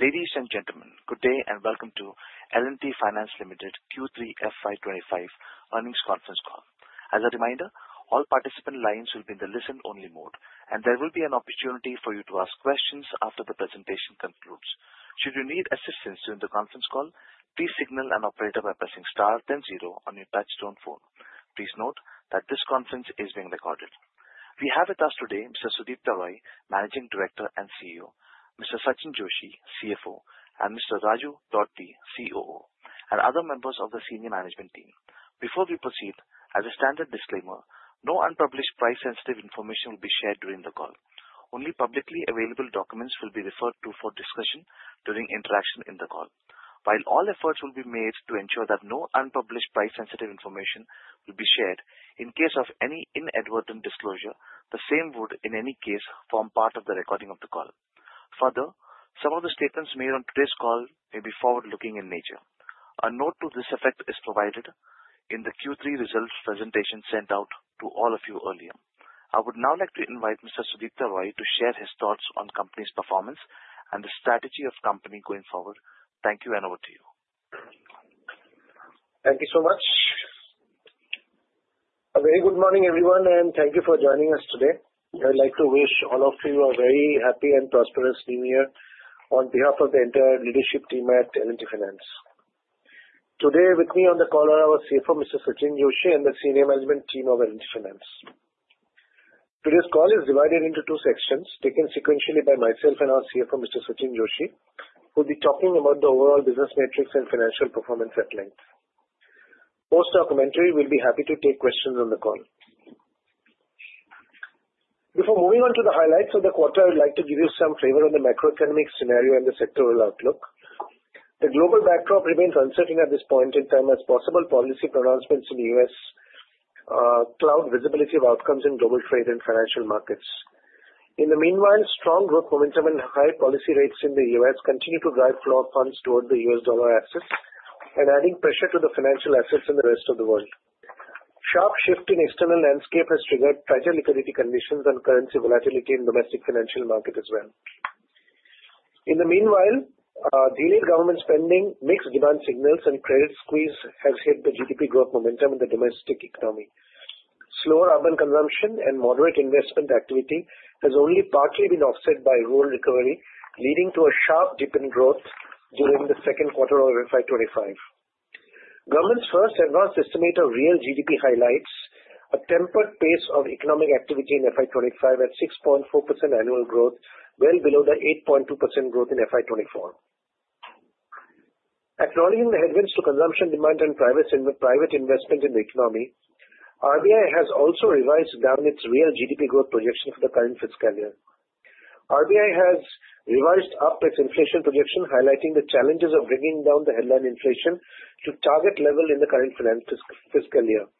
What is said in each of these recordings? Ladies and gentlemen, good day and welcome to L&T Finance Limited Q3 FY 2025 earnings conference call. As a reminder, all participant lines will be in the listen-only mode, and there will be an opportunity for you to ask questions after the presentation concludes. Should you need assistance during the conference call, please signal an operator by pressing star then zero on your touch-tone phone. Please note that this conference is being recorded. We have with us today Mr. Sudipta Roy, Managing Director and CEO, Mr. Sachinn Joshi, CFO, and Mr. Raju Doddi, COO, and other members of the senior management team. Before we proceed, as a standard disclaimer, no unpublished price-sensitive information will be shared during the call. Only publicly available documents will be referred to for discussion during interaction in the call. While all efforts will be made to ensure that no unpublished price-sensitive information will be shared, in case of any inadvertent disclosure, the same would, in any case, form part of the recording of the call. Further, some of the statements made on today's call may be forward-looking in nature. A note to this effect is provided in the Q3 results presentation sent out to all of you earlier. I would now like to invite Mr. Sudipta Roy to share his thoughts on the company's performance and the strategy of the company going forward. Thank you, and over to you. Thank you so much. A very good morning, everyone, and thank you for joining us today. I'd like to wish all of you a very happy and prosperous new year on behalf of the entire leadership team at L&T Finance. Today, with me on the call are our CFO, Mr. Sachinn Joshi, and the senior management team of L&T Finance. Today's call is divided into two sections taken sequentially by myself and our CFO, Mr. Sachinn Joshi, who will be talking about the overall business metrics and financial performance at length. Post that, we'll be happy to take questions on the call. Before moving on to the highlights of the quarter, I would like to give you some flavor on the macroeconomic scenario and the sectoral outlook. The global backdrop remains uncertain at this point in time, as possible policy pronouncements in the U.S. cloud visibility of outcomes in global trade and financial markets. In the meanwhile, strong growth momentum and high policy rates in the U.S. continue to drive flow of funds toward the U.S. dollar assets, adding pressure to the financial assets in the rest of the world. Sharp shift in the external landscape has triggered tighter liquidity conditions and currency volatility in the domestic financial market as well. In the meanwhile, delayed government spending, mixed demand signals, and credit squeeze have hit the GDP growth momentum in the domestic economy. Slower urban consumption and moderate investment activity have only partly been offset by rural recovery, leading to a sharp dip in growth during the second quarter of FY 2025. Government's first advanced estimate of real GDP highlights a tempered pace of economic activity in FY 2025 at 6.4% annual growth, well below the 8.2% growth in FY 2024. Acknowledging the headwinds to consumption demand and private investment in the economy, RBI has also revised down its real GDP growth projection for the current fiscal year. RBI has revised up its inflation projection, highlighting the challenges of bringing down the headline inflation to target level in the current fiscal year.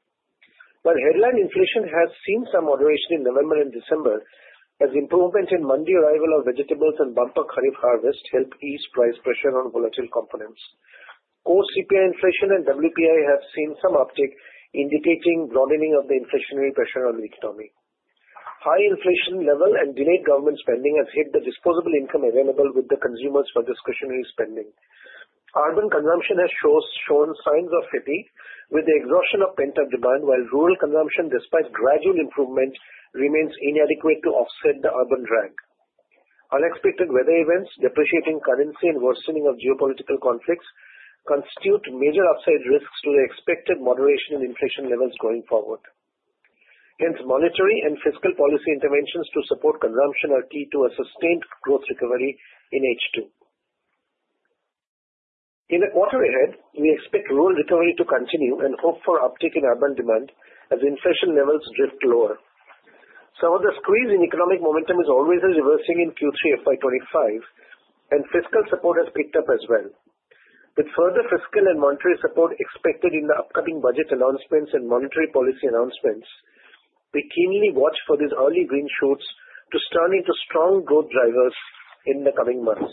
While headline inflation has seen some moderation in November and December, as improvements in mandis arrival of vegetables and bumper Rabi harvest helped ease price pressure on volatile components. Core CPI inflation and WPI have seen some uptake, indicating broadening of the inflationary pressure on the economy. High inflation level and delayed government spending have hit the disposable income available with the consumers for discretionary spending. Urban consumption has shown signs of fatigue with the exhaustion of pent-up demand, while rural consumption, despite gradual improvement, remains inadequate to offset the urban drag. Unexpected weather events, depreciating currency, and worsening of geopolitical conflicts constitute major upside risks to the expected moderation in inflation levels going forward. Hence, monetary and fiscal policy interventions to support consumption are key to a sustained growth recovery in H2. In the quarter ahead, we expect rural recovery to continue and hope for uptake in urban demand as inflation levels drift lower. Some of the squeeze in economic momentum is always reversing in Q3 FY 2025, and fiscal support has picked up as well. With further fiscal and monetary support expected in the upcoming budget announcements and monetary policy announcements, we keenly watch for these early green shoots to turn into strong growth drivers in the coming months.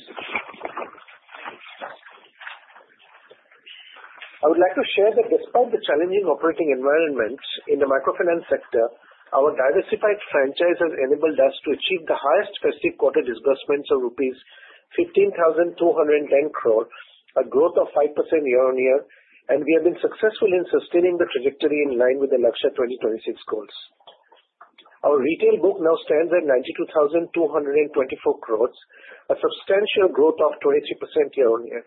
I would like to share that despite the challenging operating environment in the macro-finance sector, our diversified franchise has enabled us to achieve the highest first-quarter disbursements of rupees 15,210 crore, a growth of 5% year-on-year, and we have been successful in sustaining the trajectory in line with the L&T 2026 goals. Our retail book now stands at 92,224 crores, a substantial growth of 23% year-on-year.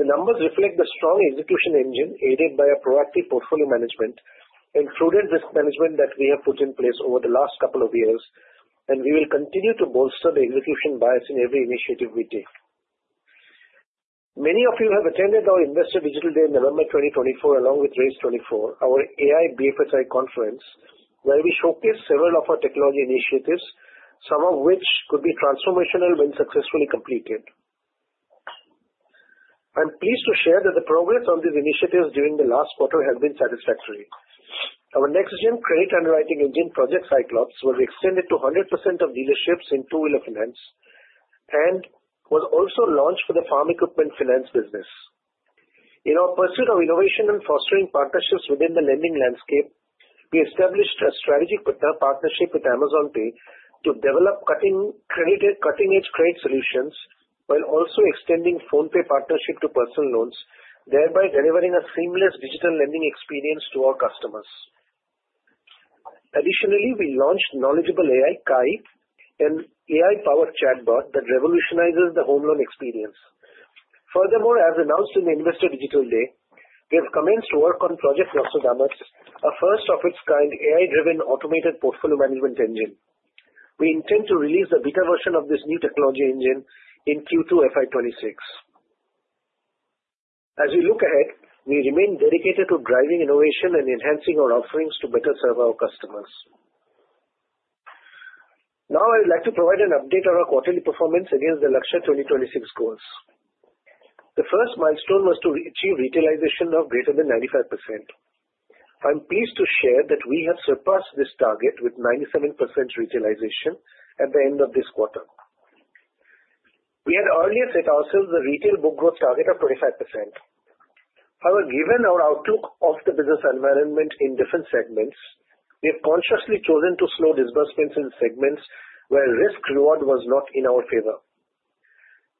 The numbers reflect the strong execution engine aided by a proactive portfolio management and prudent risk management that we have put in place over the last couple of years, and we will continue to bolster the execution bias in every initiative we take. Many of you have attended our Investor Digital Day in November 2024, along with RAISE24, our AI BFSI conference, where we showcased several of our technology initiatives, some of which could be transformational when successfully completed. I'm pleased to share that the progress on these initiatives during the last quarter has been satisfactory. Our next-gen credit underwriting engine Project Cyclops was extended to 100% of dealerships in Two-Wheeler Finance and was also launched for the farm equipment finance business. In our pursuit of innovation and fostering partnerships within the lending landscape, we established a strategic partnership with Amazon Pay to develop cutting-edge credit solutions while also extending PhonePe partnership to Personal Loans, thereby delivering a seamless digital lending experience to our customers. Additionally, we launched knowledgeable AI KAI and AI-powered chatbot that revolutionizes the home loan experience. Furthermore, as announced in Investor Digital Day, we have commenced to work on Project Nostradamus, a first of its kind, AI-driven automated portfolio management engine. We intend to release a beta version of this new technology engine in Q2 FY 2026. As we look ahead, we remain dedicated to driving innovation and enhancing our offerings to better serve our customers. Now, I would like to provide an update on our quarterly performance against the L&T 2026 goals. The first milestone was to achieve retailization of greater than 95%. I'm pleased to share that we have surpassed this target with 97% retailization at the end of this quarter. We had earlier set ourselves a retail book growth target of 25%. However, given our outlook of the business environment in different segments, we have consciously chosen to slow disbursements in segments where risk-reward was not in our favor.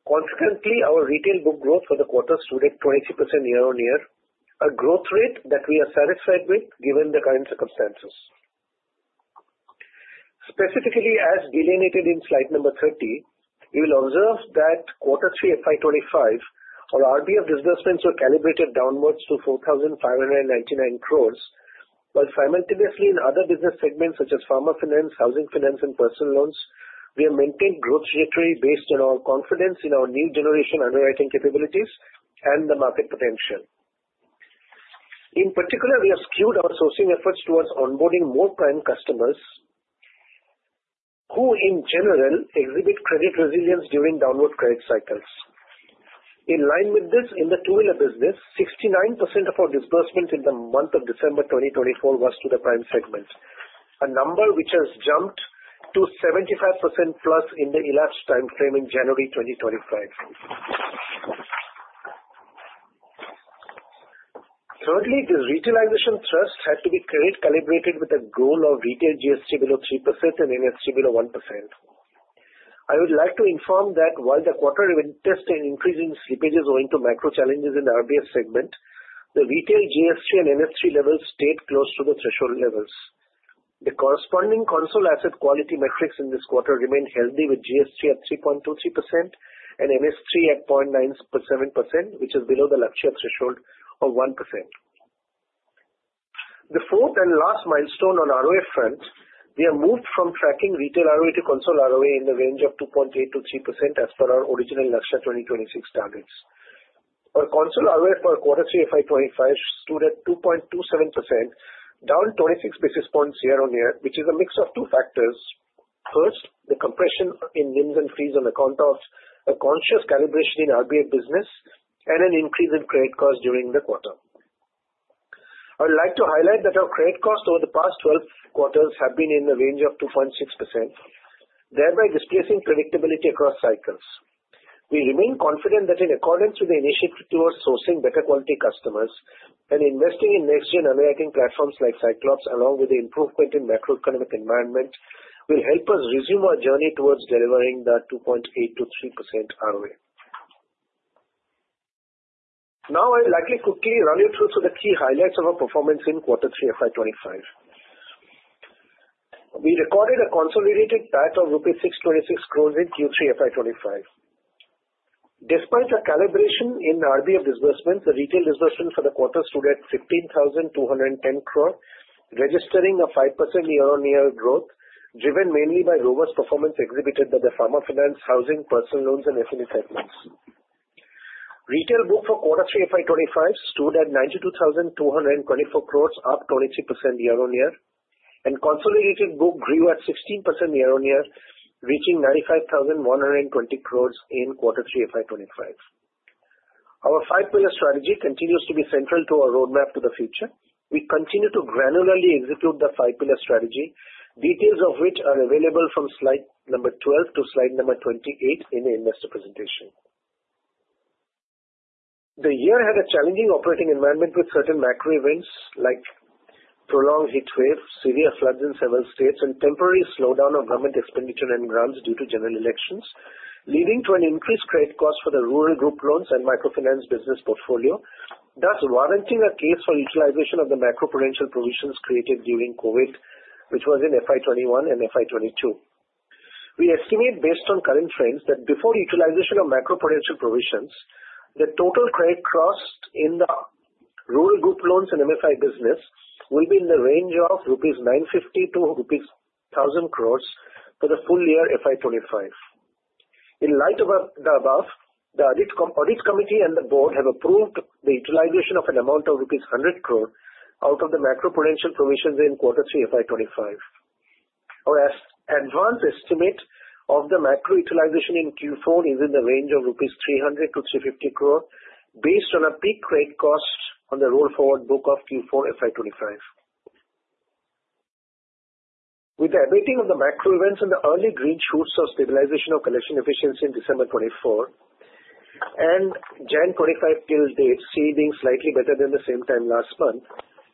Consequently, our retail book growth for the quarter stood at 23% year-on-year, a growth rate that we are satisfied with given the current circumstances. Specifically, as delineated in slide number 30, you will observe that quarter 3 FY 2025, our RBF disbursements were calibrated downwards to 4,599 crores, while simultaneously in other business segments such as Farmer Finance, Housing Finance, and Personal Loans, we have maintained growth trajectory based on our confidence in our new generation underwriting capabilities and the market potential. In particular, we have skewed our sourcing efforts towards onboarding more prime customers who, in general, exhibit credit resilience during downward credit cycles. In line with this, in the two-wheeler business, 69% of our disbursements in the month of December 2024 was to the prime segment, a number which has jumped to 75%+ in the elapsed timeframe in January 2025. Thirdly, the retailization thrust had to be credit-calibrated with a goal of retail GS3 below 3% and NS3 below 1%. I would like to inform that while the quarter witnessed increasing slippages owing to macro challenges in the RBF segment, the retail GS3 and NS3 levels stayed close to the threshold levels. The corresponding consolidated asset quality metrics in this quarter remained healthy, with GS3 at 3.23% and NS3 at 0.97%, which is below the long-term threshold of 1%. The fourth and last milestone on ROA front. We have moved from tracking retail ROA to consolidated ROA in the range of 2.8%-3% as per our original long-term 2026 targets. Our consolidated ROA for quarter 3 FY 2025 stood at 2.27%, down 26 basis points year-on-year, which is a mix of two factors. First, the compression in NIMs and fees on account of a conscious calibration in RBF business and an increase in credit cost during the quarter. I would like to highlight that our credit cost over the past 12 quarters has been in the range of 2.6%, thereby displaying predictability across cycles. We remain confident that in accordance with the initiative towards sourcing better-quality customers and investing in next-gen underwriting platforms like Cyclops, along with the improvement in macroeconomic environment, will help us resume our journey towards delivering the 2.8%-3% ROA. Now, I'll likely quickly run you through the key highlights of our performance in quarter 3 FY 2025. We recorded a consolidated profit of INR 626 crores in Q3 FY 2025. Despite the calibration in RBF disbursements, the retail disbursements for the quarter stood at 15,210 crore, registering a 5% year-on-year growth driven mainly by robust performance exhibited by the Farmer Finance, Housing, Personal Loans, and SME segments. Retail book for quarter 3 FY 2025 stood at 92,224 crores, up 23% year-on-year, and consolidated book grew at 16% year-on-year, reaching 95,120 crores in quarter 3 FY 2025. Our five-pillar strategy continues to be central to our roadmap to the future. We continue to granularly execute the five-pillar strategy, details of which are available from slide number 12 to slide number 28 in the investor presentation. The year had a challenging operating environment with certain macro events like prolonged heat wave, severe floods in several states, and temporary slowdown of government expenditure and grants due to general elections, leading to an increased credit cost for the rural group loans and microfinance business portfolio, thus warranting a case for utilization of the macro-prudential provisions created during COVID, which was in FY 2021 and FY 2022. We estimate, based on current trends, that before utilization of macro-prudential provisions, the total credit cost in the rural group loans and MFI business will be in the range of 950-1,000 crores rupees for the full year FY 2025. In light of the above, the audit committee and the board have approved the utilization of an amount of rupees 100 crore out of the macro-prudential provisions in quarter 3 FY 2025. Our advanced estimate of the macro utilization in Q4 is in the range of 300-350 crore rupees, based on a peak credit cost on the roll-forward book of Q4 FY 2025. With the abating of the macro events and the early green shoots of stabilization of collection efficiency in December 2024 and January 2025 till date seeing slightly better than the same time last month,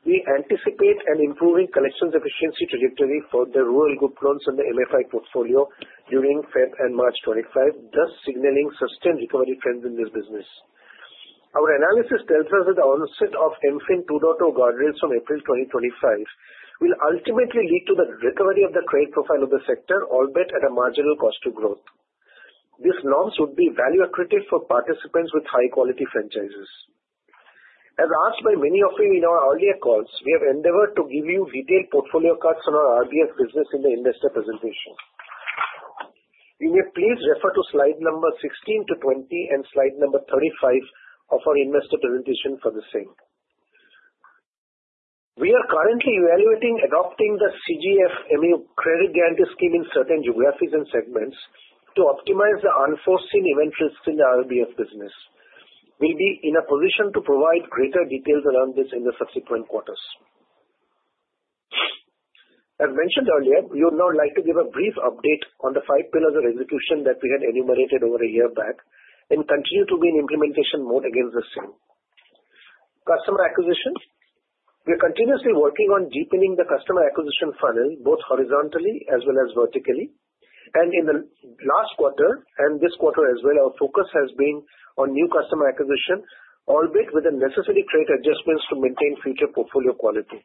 we anticipate an improving collections efficiency trajectory for the rural group loans and the MFI portfolio during February and March 2025, thus signaling sustained recovery trends in this business. Our analysis tells us that the onset of MFIN 2.0 guardrails from April 2025 will ultimately lead to the recovery of the credit profile of the sector, albeit at a marginal cost to growth. This norm should be value-attractive for participants with high-quality franchises. As asked by many of you in our earlier calls, we have endeavored to give you detailed portfolio cards on our RBF business in the investor presentation. You may please refer to slide number 16-20 and slide number 35 of our investor presentation for the same. We are currently evaluating adopting the CGF credit guarantee scheme in certain geographies and segments to optimize the unforeseen event risks in the RBF business. We'll be in a position to provide greater details around this in the subsequent quarters. As mentioned earlier, we would now like to give a brief update on the five pillars of execution that we had enumerated over a year back and continue to be in implementation mode against the same. Customer acquisition, we are continuously working on deepening the customer acquisition funnel, both horizontally as well as vertically. And in the last quarter and this quarter as well, our focus has been on new customer acquisition, albeit with the necessary credit adjustments to maintain future portfolio quality.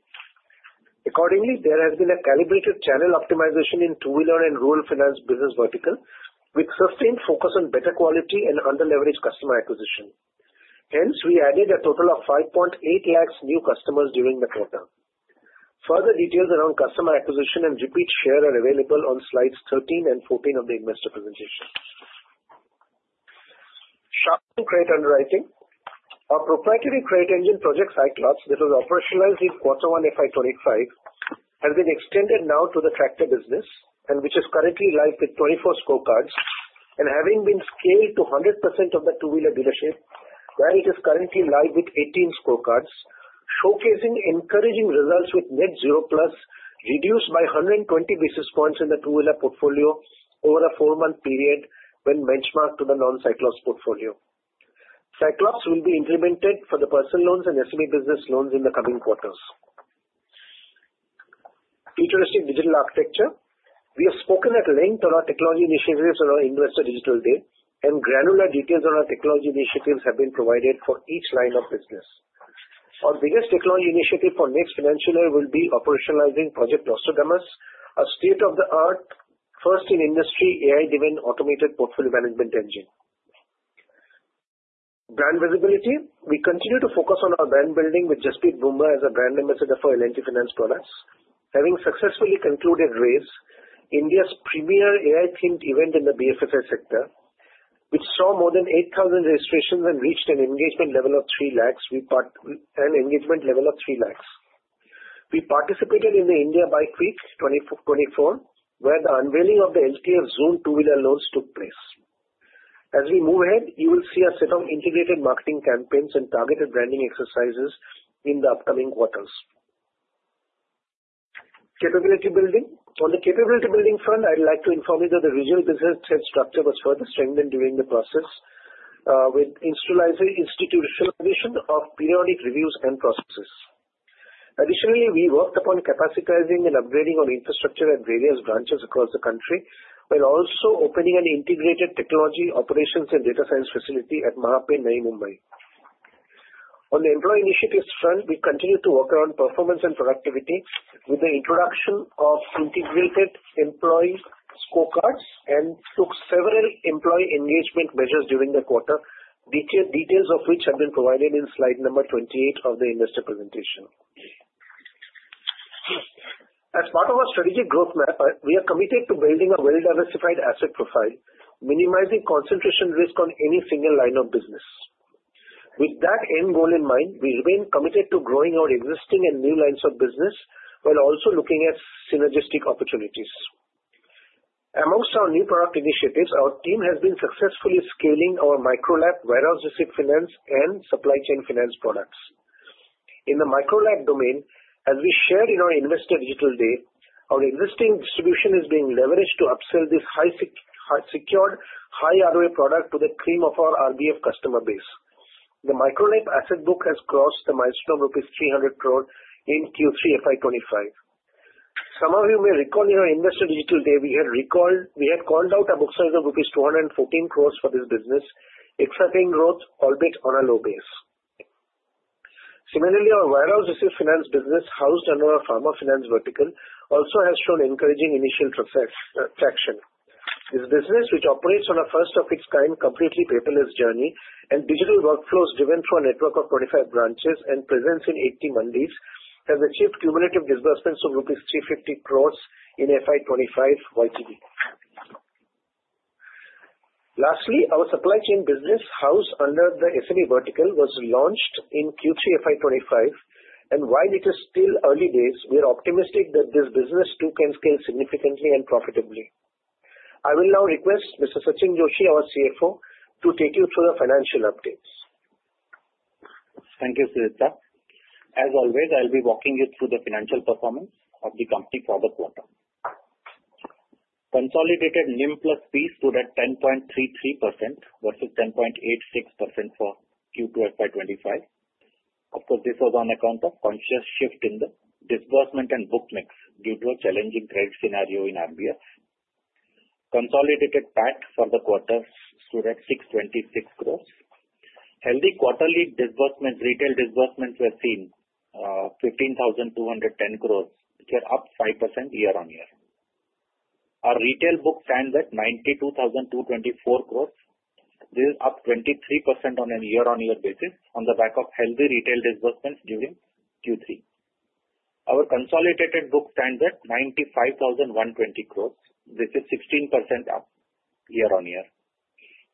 Accordingly, there has been a calibrated channel optimization in two-wheeler and rural finance business vertical with sustained focus on better quality and under-leverage customer acquisition. Hence, we added a total of 5.8 lakhs new customers during the quarter. Further details around customer acquisition and repeat share are available on slides 13 and 14 of the investor presentation. Sharpening credit underwriting, our proprietary credit engine Project Cyclops, which was operationalized in quarter 1 FY 2025, has been extended now to the tractor business, which is currently live with 24 scorecards and having been scaled to 100% of the two-wheeler dealership, where it is currently live with 18 scorecards, showcasing encouraging results with Net 0+ reduced by 120 basis points in the two-wheeler portfolio over a four-month period when benchmarked to the non-Cyclops portfolio. Cyclops will be implemented for the Personal Loans and SME business loans in the coming quarters. Futuristic digital architecture, we have spoken at length on our technology initiatives on our Investor Digital Day, and granular details on our technology initiatives have been provided for each line of business. Our biggest technology initiative for next financial year will be operationalizing Project Nostradamus, a state-of-the-art, first-in-industry AI-driven automated portfolio management engine. Brand visibility, we continue to focus on our brand building with Jasprit Bumrah as a brand ambassador for L&T Finance products, having successfully concluded RAISE, India's premier AI-themed event in the BFSI sector, which saw more than 8,000 registrations and reached an engagement level of 3 lakhs. We participated in the India Bike Week 2024, where the unveiling of the LTF Zoom two-wheeler loans took place. As we move ahead, you will see a set of integrated marketing campaigns and targeted branding exercises in the upcoming quarters. Capability building, on the capability building front, I'd like to inform you that the regional business head structure was further strengthened during the process with institutionalization of periodic reviews and processes. Additionally, we worked upon capacitating and upgrading our infrastructure at various branches across the country, while also opening an integrated technology operations and data science facility at Mahape, Navi Mumbai. On the employee initiatives front, we continued to work around performance and productivity with the introduction of integrated employee scorecards and took several employee engagement measures during the quarter, details of which have been provided in slide number 28 of the investor presentation. As part of our strategic growth map, we are committed to building a well-diversified asset profile, minimizing concentration risk on any single line of business. With that end goal in mind, we remain committed to growing our existing and new lines of business, while also looking at synergistic opportunities. Among our new product initiatives, our team has been successfully scaling our Micro LAP, warehouse receipt finance, and supply chain finance products. In the Micro LAP domain, as we shared in our Investor Digital Day, our existing distribution is being leveraged to upsell this high-secured, high-ROA product to the cream of our RBF customer base. The Micro LAP asset book has crossed the milestone of rupees 300 crore in Q3 FY 2025. Some of you may recall in our Investor Digital Day, we had called out a book size of rupees 214 crores for this business, exciting growth, albeit on a low base. Similarly, our warehouse receipt finance business housed under our Farmer Finance vertical also has shown encouraging initial traction. This business, which operates on a first-of-its-kind completely paperless journey and digital workflows driven through a network of 25 branches and presence in 80 mandis, has achieved cumulative disbursements of INR 350 crores in FY 2025 YTD. Lastly, our supply chain business housed under the SME vertical was launched in Q3 FY 2025, and while it is still early days, we are optimistic that this business too can scale significantly and profitably. I will now request Mr. Sachinn Joshi, our CFO, to take you through the financial updates. Thank you, Sudipta. As always, I'll be walking you through the financial performance of the company for the quarter. Consolidated NIM plus fees stood at 10.33% versus 10.86% for Q2 FY 2025. Of course, this was on account of a conscious shift in the disbursement and book mix due to a challenging credit scenario in RBF. Consolidated PAT for the quarter stood at 626 crores. Healthy quarterly disbursements, Retail Disbursements were seen at 15,210 crores, which are up 5% year-on-year. Our retail book stands at 92,224 crores. This is up 23% on a year-on-year basis on the back of healthy Retail Disbursements during Q3. Our consolidated book stands at 95,120 crores, which is 16% up year-on-year.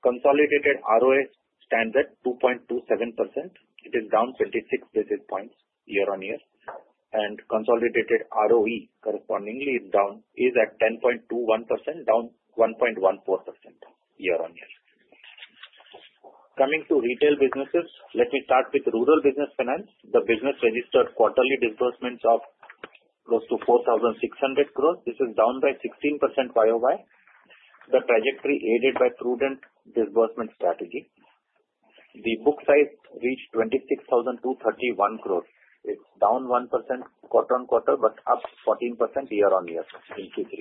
Consolidated ROA stands at 2.27%. It is down 26 basis points year-on-year, and consolidated ROE correspondingly is down at 10.21%, down 1.14% year-on-year. Coming to retail businesses, let me start with Rural Business Finance. The business registered quarterly disbursements of close to 4,600 crores. This is down by 16% YOY, the trajectory aided by prudent disbursement strategy. The book size reached 26,231 crores. It's down 1% quarter-on-quarter, but up 14% year-on-year in Q3.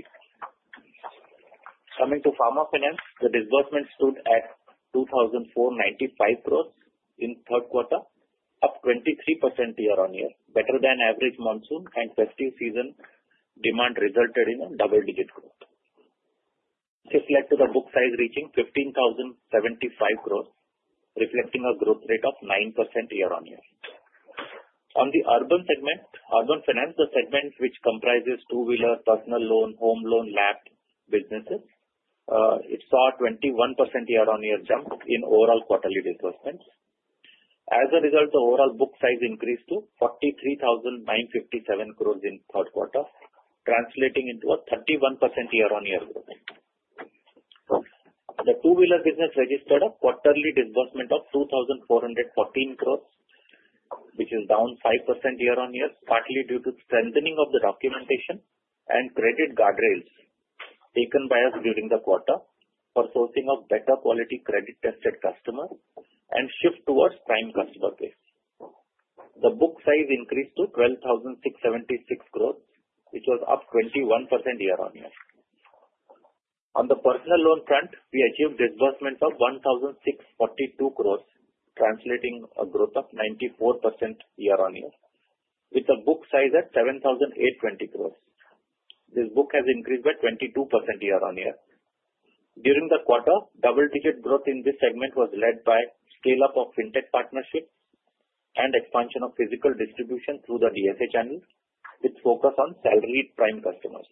Coming to Farmer Finance, the disbursement stood at 2,495 crores in third quarter, up 23% year-on-year. Better than average monsoon and festive season demand resulted in a double-digit growth. This led to the book size reaching 15,075 crores, reflecting a growth rate of 9% year-on-year. On the urban segment, Urban Finance, the segment which comprises two-wheeler, personal loan, home loan, LAP businesses, it saw a 21% year-on-year jump in overall quarterly disbursements. As a result, the overall book size increased to 43,957 crores in third quarter, translating into a 31% year-on-year growth. The two-wheeler business registered a quarterly disbursement of 2,414 crores, which is down 5% year-on-year, partly due to strengthening of the documentation and credit guardrails taken by us during the quarter for sourcing of better quality credit-tested customers and shift towards prime customer base. The book size increased to 12,676 crores, which was up 21% year-on-year. On the personal loan front, we achieved disbursements of 1,642 crores, translating to a growth of 94% year-on-year, with the book size at 7,820 crores. This book has increased by 22% year-on-year. During the quarter, double-digit growth in this segment was led by scale-up of fintech partnerships and expansion of physical distribution through the DSA channel, with focus on salaried prime customers.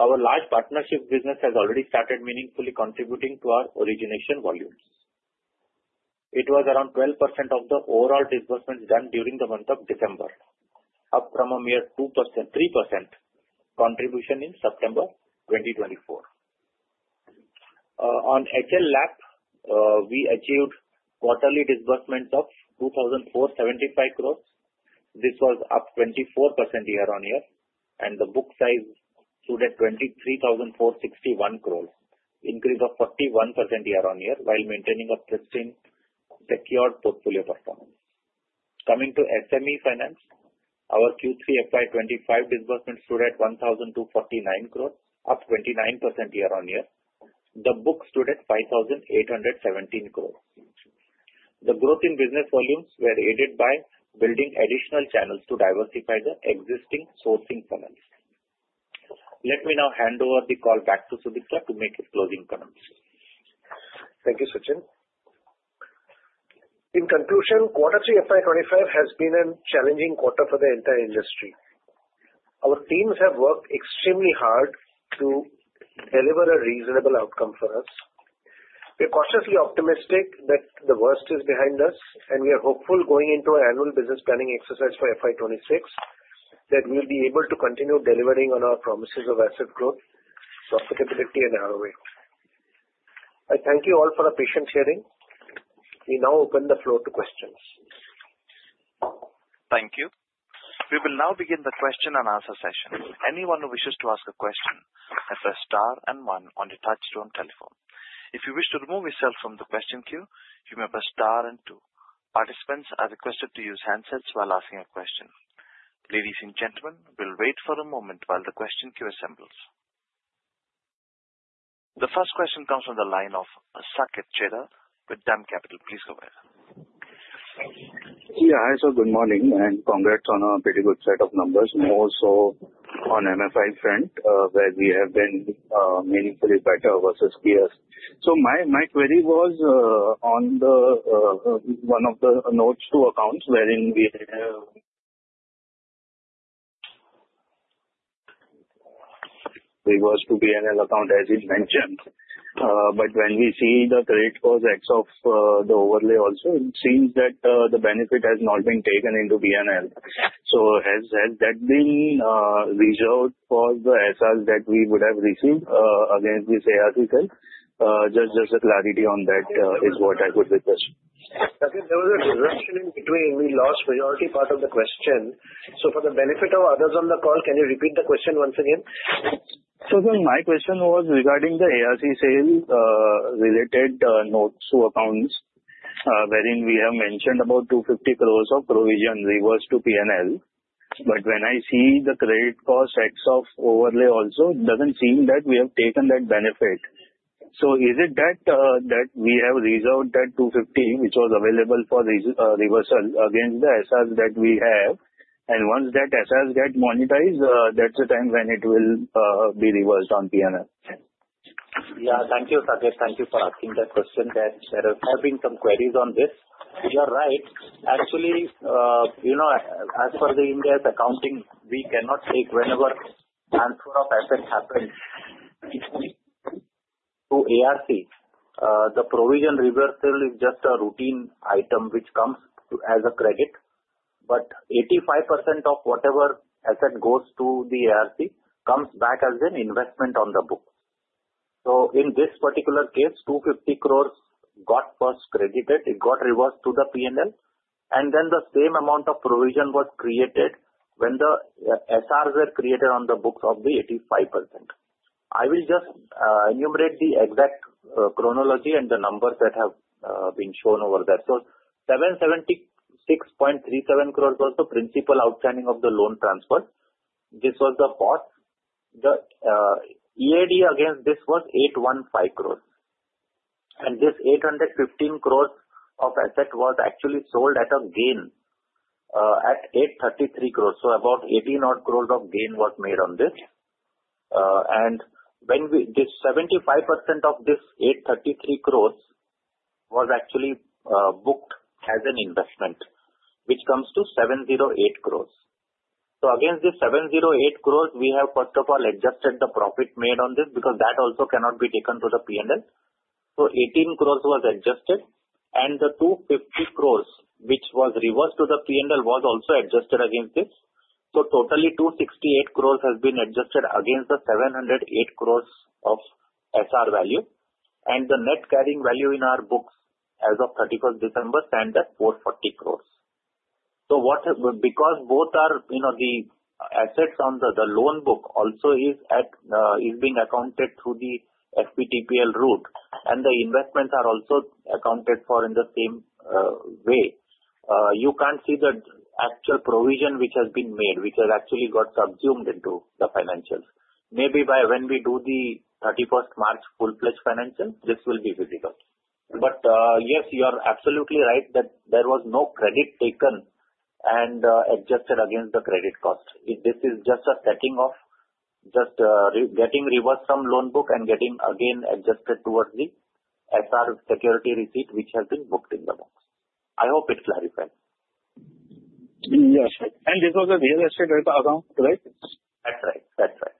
Our large partnership business has already started meaningfully contributing to our origination volumes. It was around 12% of the overall disbursements done during the month of December, up from a mere 3% contribution in September 2024. On home loan, we achieved quarterly disbursements of 2,475 crores. This was up 24% year-on-year, and the book size stood at 23,461 crores, an increase of 41% year-on-year, while maintaining a pristine secured portfolio performance. Coming to SME Finance, our Q3 FY 2025 disbursements stood at 1,249 crores, up 29% year-on-year. The book stood at 5,817 crores. The growth in business volumes was aided by building additional channels to diversify the existing sourcing funnels. Let me now hand over the call back to Sudipta to make his closing comments. Thank you, Sachinn. In conclusion, quarter 3 FY 2025 has been a challenging quarter for the entire industry. Our teams have worked extremely hard to deliver a reasonable outcome for us. We are cautiously optimistic that the worst is behind us, and we are hopeful going into our annual business planning exercise for FY 2026 that we will be able to continue delivering on our promises of asset growth, profitability, and ROA. I thank you all for our patience sharing. We now open the floor to questions. Thank you. We will now begin the question and answer session. Anyone who wishes to ask a question may press star and one on the touch-tone telephone. If you wish to remove yourself from the question queue, you may press star and two. Participants are requested to use handsets while asking a question. Ladies and gentlemen, we'll wait for a moment while the question queue assembles. The first question comes from the line of Sanket Chheda with DAM Capital. Please go ahead. Yeah, hi sir, good morning and congrats on a pretty good set of numbers, more so on MFI front where we have been meaningfully better versus peers. So my query was on one of the notes to accounts wherein we reversed to P&L account as you mentioned. But when we see the credit cost ex of the overlay also, it seems that the benefit has not been taken into P&L. So has that been resolved for the SRs that we would have received against this ARC sale? Just a clarity on that is what I would request. Sachinn, there was a disruption in between. We lost majority part of the question. For the benefit of others on the call, can you repeat the question once again? So, sir, my question was regarding the ARC sale related notes to accounts wherein we have mentioned about 250 crores of provision reversed to P&L. But when I see the credit cost X of overlay also, it doesn't seem that we have taken that benefit. Is it that we have resolved that 250 which was available for reversal against the SRs that we have? And once that SRs get monetized, that's the time when it will be reversed on P&L. Yeah, thank you, Sachinn. Thank you for asking that question. There have been some queries on this. You are right. Actually, as for India's accounting, we cannot take whenever transfer of assets happens to ARC. The provision reversal is just a routine item which comes as a credit. But 85% of whatever asset goes to the ARC comes back as an investment on the book. So in this particular case, 250 crores got first credited. It got reversed to the P&L, and then the same amount of provision was created when the SRs were created on the books of the 85%. I will just enumerate the exact chronology and the numbers that have been shown over there. So 776.37 crores was the principal outstanding of the loan transfer. This was the cost. The EAD against this was 815 crores. And this 815 crores of asset was actually sold at a gain at 833 crores. So about 18 odd crores of gain was made on this. This 75% of this 833 crores was actually booked as an investment, which comes to 708 crores. Against this 708 crores, we have first of all adjusted the profit made on this because that also cannot be taken to the P&L. 18 crores was adjusted, and the 250 crores which was reversed to the P&L was also adjusted against this. Totally 268 crores has been adjusted against the 708 crores of SR value. The net carrying value in our books as of 31st December stands at 440 crores. Because both are the assets on the loan book also is being accounted through the FVTPL route, and the investments are also accounted for in the same way, you can't see the actual provision which has been made, which has actually got subsumed into the financials. Maybe when we do the 31st March full-fledged financials, this will be visible. But yes, you are absolutely right that there was no credit taken and adjusted against the credit cost. This is just a setting of just getting reversed from loan book and getting again adjusted towards the SR security receipt which has been booked in the book. I hope it clarifies. Yes. And this was a real estate account, right? That's right. That's right.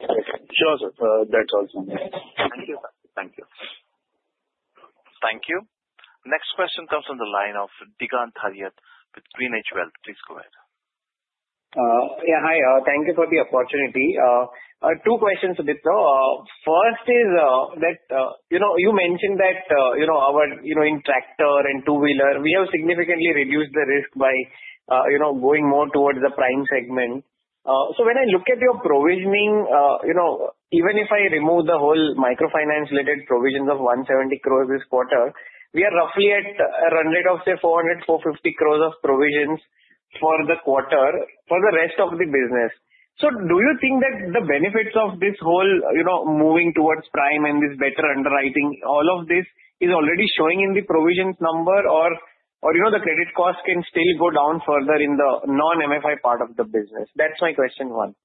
Sure, sir. That's all. Thank you, sir. Thank you. Thank you. Next question comes from the line of Digant Haria with GreenEdge Wealth. Please go ahead. Yeah, hi. Thank you for the opportunity. Two questions, though. First is that you mentioned that our tractor and two-wheeler, we have significantly reduced the risk by going more towards the prime segment. So when I look at your provisioning, even if I remove the whole microfinance-related provisions of 170 crores this quarter, we are roughly at a run rate of, say, 400-450 crores of provisions for the quarter for the rest of the business. So do you think that the benefits of this whole moving towards prime and this better underwriting, all of this is already showing in the provision number, or the credit cost can still go down further in the non-MFI part of the business? That's my question one.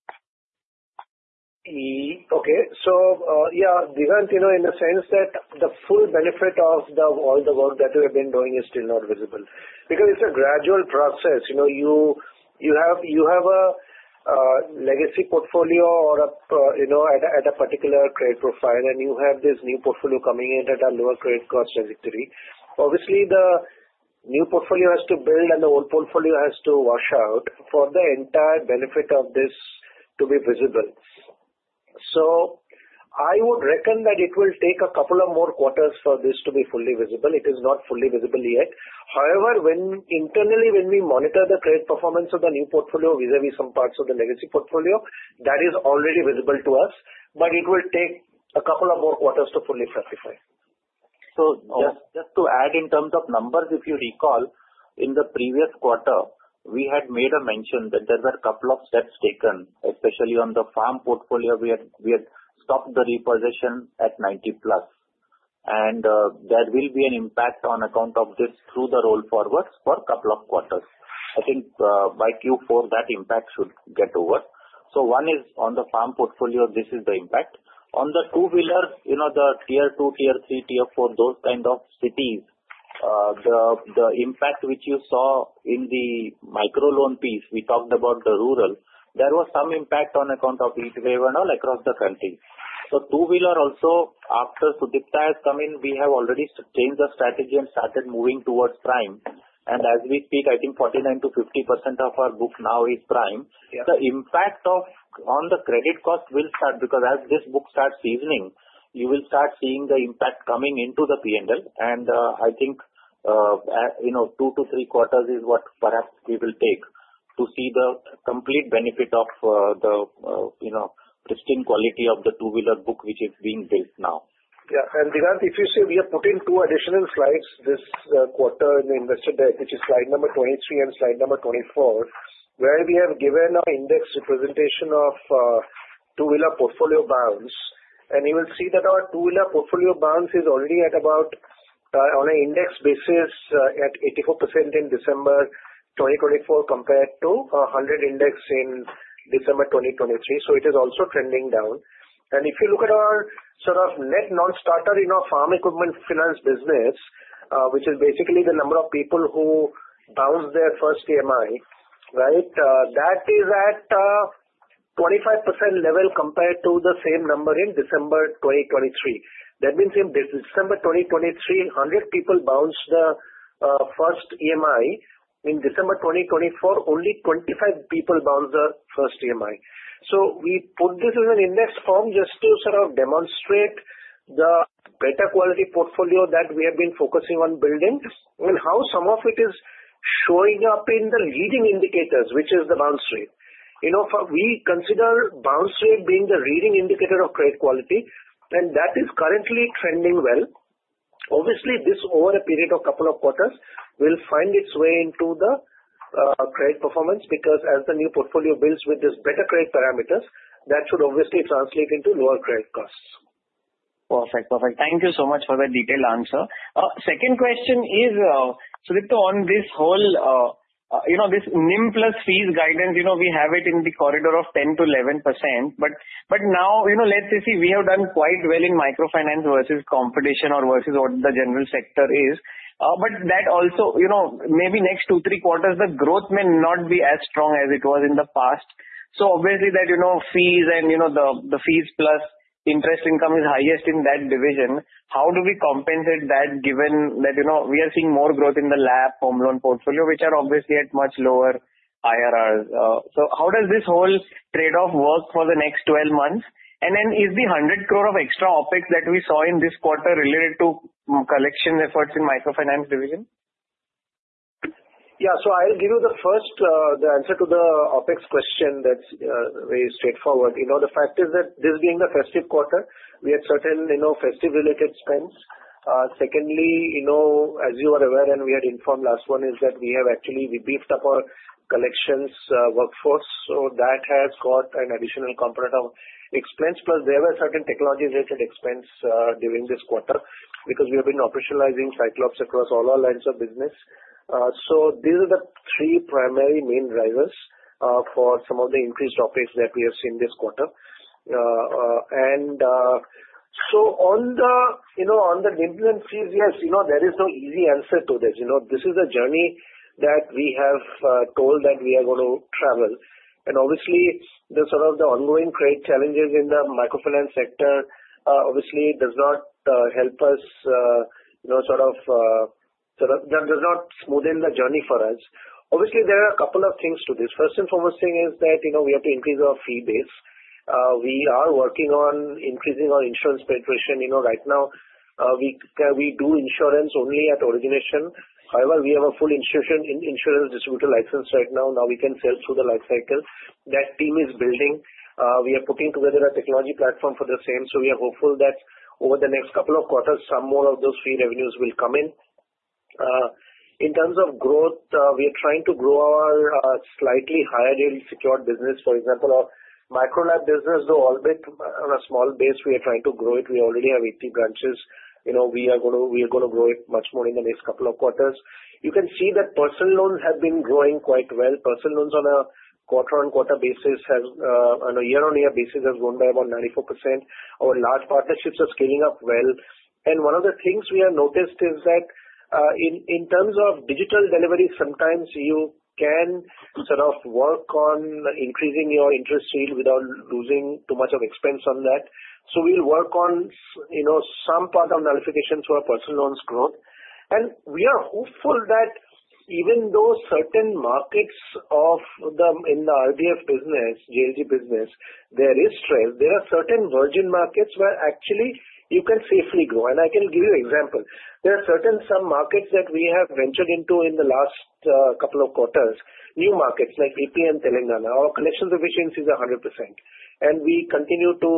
Okay. So yeah, Digant, in a sense that the full benefit of all the work that we have been doing is still not visible because it is a gradual process. You have a legacy portfolio or at a particular trade profile, and you have this new portfolio coming in at a lower credit cost trajectory. Obviously, the new portfolio has to build, and the old portfolio has to wash out for the entire benefit of this to be visible. So I would reckon that it will take a couple of more quarters for this to be fully visible. It is not fully visible yet. However, internally, when we monitor the credit performance of the new portfolio vis-à-vis some parts of the legacy portfolio, that is already visible to us, but it will take a couple of more quarters to fully classify. So just to add in terms of numbers, if you recall, in the previous quarter, we had made a mention that there were a couple of steps taken, especially on the farm portfolio. We had stopped the repossession at 90+, and there will be an impact on account of this through the roll forwards for a couple of quarters. I think by Q4, that impact should get over. So one is on the farm portfolio, this is the impact. On the two-wheeler, the tier two, tier three, tier four, those kind of cities, the impact which you saw in the micro loan piece, we talked about the rural, there was some impact on account of heat wave and all across the country. So two-wheeler also, after Sudipta has come in, we have already changed the strategy and started moving towards prime. And as we speak, I think 49% to 50% of our book now is prime. The impact on the credit cost will start because as this book starts seasoning, you will start seeing the impact coming into the P&L. And I think two to three quarters is what perhaps we will take to see the complete benefit of the pristine quality of the two-wheeler book which is being built now. Yeah. And Digant, if you see, we have put in two additional slides this quarter in the investment deck, which is slide number 23 and slide number 24, where we have given an index representation of two-wheeler portfolio balance. And you will see that our two-wheeler portfolio balance is already at about on an index basis at 84% in December 2024 compared to 100 index in December 2023. So it is also trending down. And if you look at our sort of Net Non-Starter in our farm equipment finance business, which is basically the number of people who bounced their first EMI, right, that is at 25% level compared to the same number in December 2023. That means in December 2023, 100 people bounced the first EMI. In December 2024, only 25 people bounced the first EMI. So we put this in an index form just to sort of demonstrate the better quality portfolio that we have been focusing on building and how some of it is showing up in the leading indicators, which is the bounce rate. We consider bounce rate being the leading indicator of credit quality, and that is currently trending well. Obviously, this over a period of a couple of quarters will find its way into the credit performance because as the new portfolio builds with these better credit parameters, that should obviously translate into lower credit costs. Perfect. Perfect. Thank you so much for the detailed answer. Second question is, Sudipta, on this whole NIM plus fees guidance, we have it in the corridor of 10%-11%. But now let's say we have done quite well in microfinance versus competition or versus what the general sector is. But that also maybe next two, three quarters, the growth may not be as strong as it was in the past. So obviously, that fees and the fees plus interest income is highest in that division. How do we compensate that given that we are seeing more growth in the LAP home loan portfolio, which are obviously at much lower IRRs? So how does this whole trade-off work for the next 12 months? And then is the 100 crore of extra OpEx that we saw in this quarter related to collection efforts in microfinance division? Yeah. So I'll give you the answer to the OpEx question. That's very straightforward. The fact is that this being the festive quarter, we had certain festive-related spends. Secondly, as you are aware and we had informed last one is that we have actually beefed up our collections workforce. So that has got an additional component of expense. Plus, there were certain technology-related expense during this quarter because we have been operationalizing Cyclops across all our lines of business. So these are the three primary main drivers for some of the increased OpEx that we have seen this quarter, and so on the NIM and fees, yes, there is no easy answer to this. This is a journey that we have told that we are going to travel, and obviously, the sort of ongoing trade challenges in the microfinance sector obviously does not help us sort of does not smoothen the journey for us. Obviously, there are a couple of things to this. First and foremost thing is that we have to increase our fee base. We are working on increasing our insurance penetration. Right now, we do insurance only at origination. However, we have a full insurance distributor license right now. Now we can sell through the life cycle. That team is building. We are putting together a technology platform for the same. So we are hopeful that over the next couple of quarters, some more of those fee revenues will come in. In terms of growth, we are trying to grow our slightly higher yield secured business. For example, our micro loan business, though, a little bit on a small base, we are trying to grow it. We already have 80 branches. We are going to grow it much more in the next couple of quarters. You can see that Personal Loans have been growing quite well. Personal Loans, on a quarter-on-quarter basis, has, on a year-on-year basis, grown by about 94%. Our large partnerships are scaling up well. And one of the things we have noticed is that in terms of digital delivery, sometimes you can sort of work on increasing your interest yield without losing too much of expense on that. So we'll work on some part of nullification for our Personal Loans growth. And we are hopeful that even though certain markets in the RDF business, JLG business, there is stress, there are certain virgin markets where actually you can safely grow. And I can give you an example. There are certain markets that we have ventured into in the last couple of quarters, new markets like UP and Telangana. Our collection efficiency is 100%. And we continue to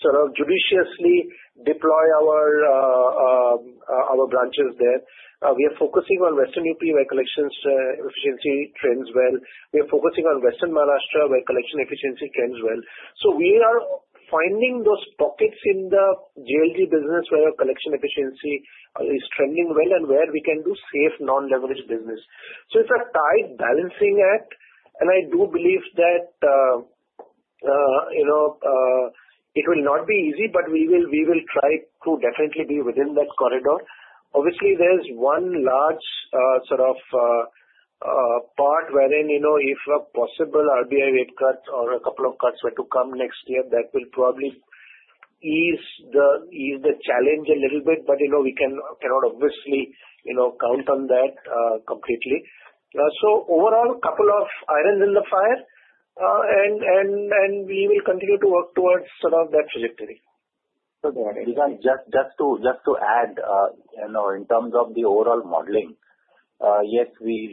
sort of judiciously deploy our branches there. We are focusing on Western UP where collection efficiency trends well. We are focusing on Western Maharashtra where collection efficiency trends well. So we are finding those pockets in the JLG business where our collection efficiency is trending well and where we can do safe non-leverage business. So it's a tight balancing act. And I do believe that it will not be easy, but we will try to definitely be within that corridor. Obviously, there's one large sort of part wherein if a possible RBI rate cut or a couple of cuts were to come next year, that will probably ease the challenge a little bit. But we cannot obviously count on that completely. So overall, a couple of irons in the fire, and we will continue to work towards sort of that trajectory. Just to add, in terms of the overall modeling, yes,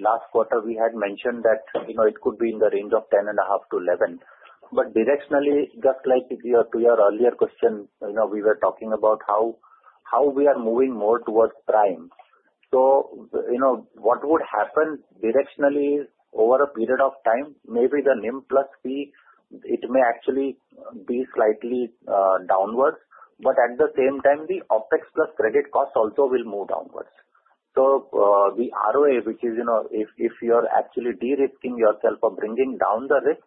last quarter we had mentioned that it could be in the range of 10.5-11. But directionally, just like your two-year earlier question, we were talking about how we are moving more towards prime. So what would happen directionally over a period of time? Maybe the NIM plus fee, it may actually be slightly downwards. But at the same time, the OpEx plus credit costs also will move downwards. So the ROA, which is if you're actually de-risking yourself or bringing down the risk,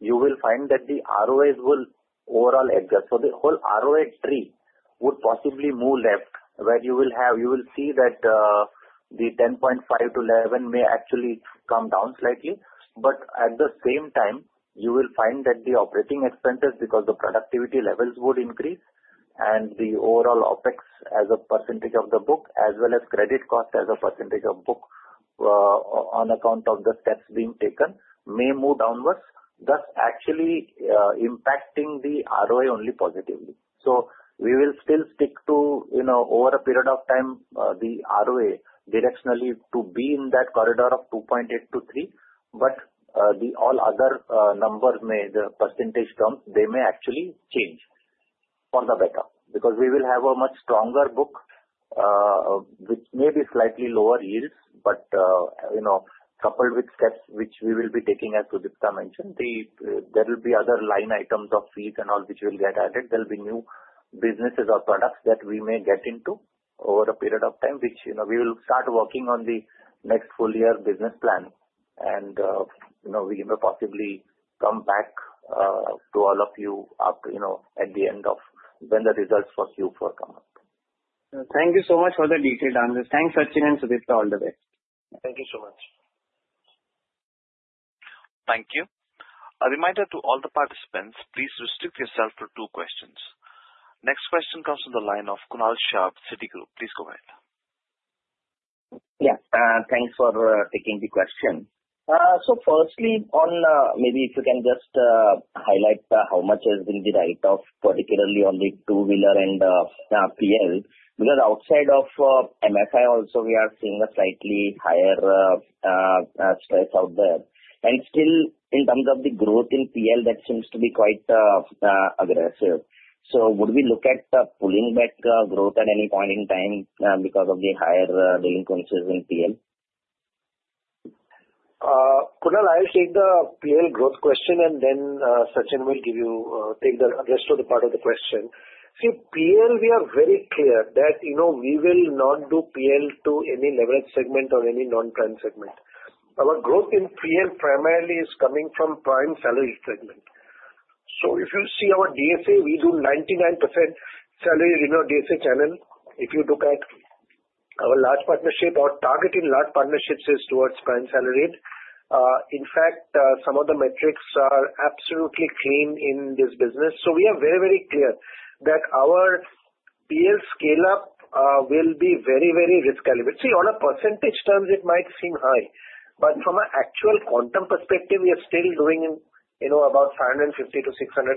you will find that the ROAs will overall adjust. So the whole ROA tree would possibly move left, where you will see that the 10.5-11 may actually come down slightly. But at the same time, you will find that the operating expenses because the productivity levels would increase, and the overall OpEx as a percentage of the book, as well as credit cost as a percentage of book on account of the steps being taken, may move downwards, thus actually impacting the ROA only positively. So we will still stick to, over a period of time, the ROA directionally to be in that corridor of 2.8%-3%. But the all other numbers, the percentage terms, they may actually change for the better because we will have a much stronger book with maybe slightly lower yields. But coupled with steps which we will be taking, as Sudipta mentioned, there will be other line items of fees and all which will get added. There will be new businesses or products that we may get into over a period of time, which we will start working on the next full-year business plan. And we will possibly come back to all of you at the end of when the results for Q4 come out. Thank you so much for the detailed answers. Thanks, Sachinn and Sudipta. All the best. Thank you so much. Thank you. A reminder to all the participants, please restrict yourself to two questions. Next question comes from the line of Kunal Shah, Citigroup. Please go ahead. Yes. Thanks for taking the question. So firstly, maybe if you can just highlight how much has been the rate, particularly on the two-wheeler and PL because outside of MFI, also we are seeing a slightly higher stress out there. And still, in terms of the growth in PL, that seems to be quite aggressive. So would we look at pulling back growth at any point in time because of the higher delinquencies in PL? Kunal, I'll take the PL growth question, and then Sachinn will take the rest of the part of the question. See, PL, we are very clear that we will not do PL to any leverage segment or any non-prime segment. Our growth in PL primarily is coming from prime salaried segment. So if you see our DSA, we do 99% salary in our DSA channel. If you look at our large partnership, our target in large partnerships is towards prime salaried rate. In fact, some of the metrics are absolutely clean in this business. So we are very, very clear that our PL scale-up will be very, very risk-elevated. See, on a percentage terms, it might seem high. But from an actual quantum perspective, we are still doing about 550-600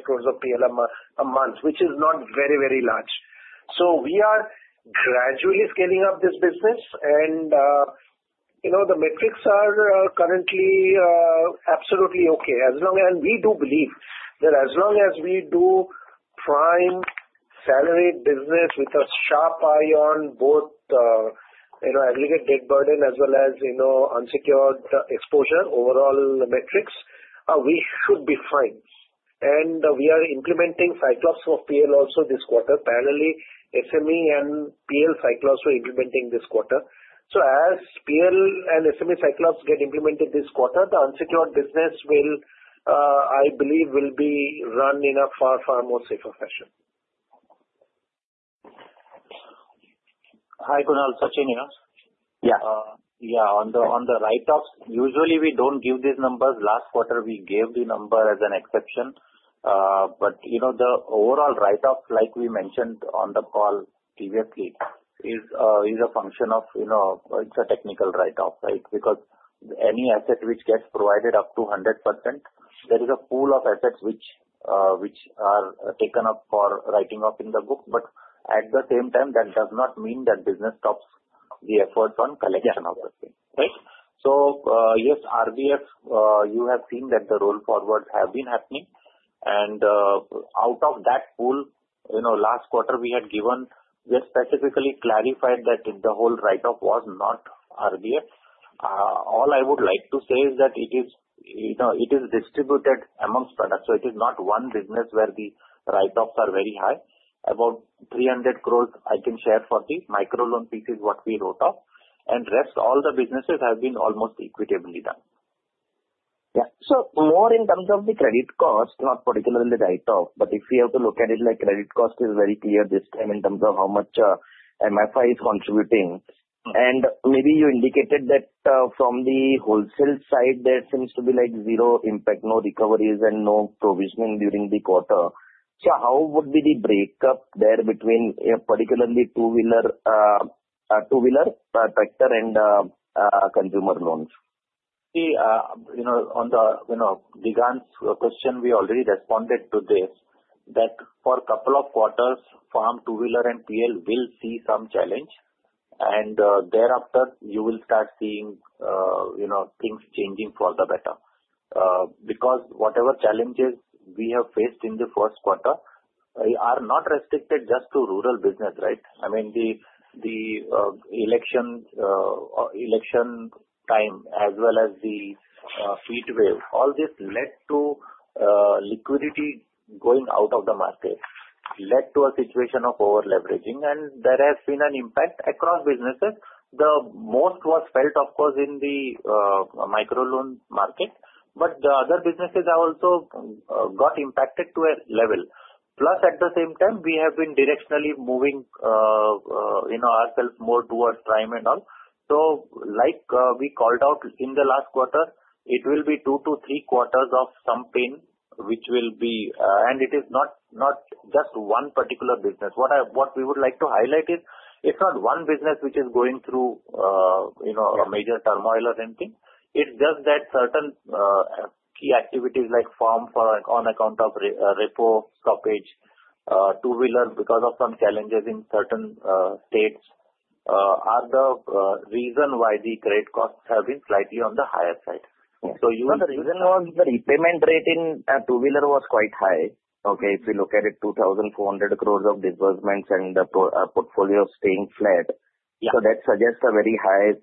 crores of PL a month, which is not very, very large. So we are gradually scaling up this business. And the metrics are currently absolutely okay. And we do believe that as long as we do prime salaried business with a sharp eye on both aggregate debt burden as well as unsecured exposure, overall metrics, we should be fine. And we are implementing Cyclops for PL also this quarter. Parallelly, SME and PL Cyclops are implementing this quarter. So as PL and SME Cyclops get implemented this quarter, the unsecured business, I believe, will be run in a far, far more safer fashion. Hi, Kunal. Sachinn here. Yeah. Yeah. On the write-offs, usually we don't give these numbers. Last quarter, we gave the number as an exception. But the overall write-off, like we mentioned on the call previously, is a function of it's a technical write-off, right? Because any asset which gets provided up to 100%, there is a pool of assets which are taken up for writing off in the book. But at the same time, that does not mean that business stops the effort on collection of the thing, right? So yes, RBF, you have seen that the roll forwards have been happening. And out of that pool, last quarter we had given, we had specifically clarified that the whole write-off was not RBF. All I would like to say is that it is distributed amongst products. So it is not one business where the write-offs are very high. About 300 crore, I can share for the micro loan pieces what we wrote off. And the rest, all the businesses have been almost equitably done. Yeah. So more in terms of the credit cost, not particularly the write-off. But if we have to look at it, credit cost is very clear this time in terms of how much MFI is contributing. And maybe you indicated that from the wholesale side, there seems to be zero impact, no recoveries, and no provisioning during the quarter. So how would be the breakup there between particularly two-wheeler, tractor, and consumer loans? See, on the Digant's question, we already responded to this, that for a couple of quarters, farm, two-wheeler, and PL will see some challenge. And thereafter, you will start seeing things changing for the better. Because whatever challenges we have faced in the first quarter are not restricted just to rural business, right? I mean, the election time as well as the heat wave, all this led to liquidity going out of the market, led to a situation of over-leveraging, and there has been an impact across businesses. The most was felt, of course, in the micro loan market, but the other businesses also got impacted to a level. Plus, at the same time, we have been directionally moving ourselves more towards prime and all. So like we called out in the last quarter, it will be two to three quarters of some pain, which will be, and it is not just one particular business. What we would like to highlight is it's not one business which is going through a major turmoil or anything. It's just that certain key activities like farm, on account of repo stoppage, two-wheeler, because of some challenges in certain states are the reason why the credit costs have been slightly on the higher side. So you will see. So the reason was the repayment rate in two-wheeler was quite high. Okay. If we look at it, 2,400 crores of disbursements and the portfolio staying flat. So that suggests a very high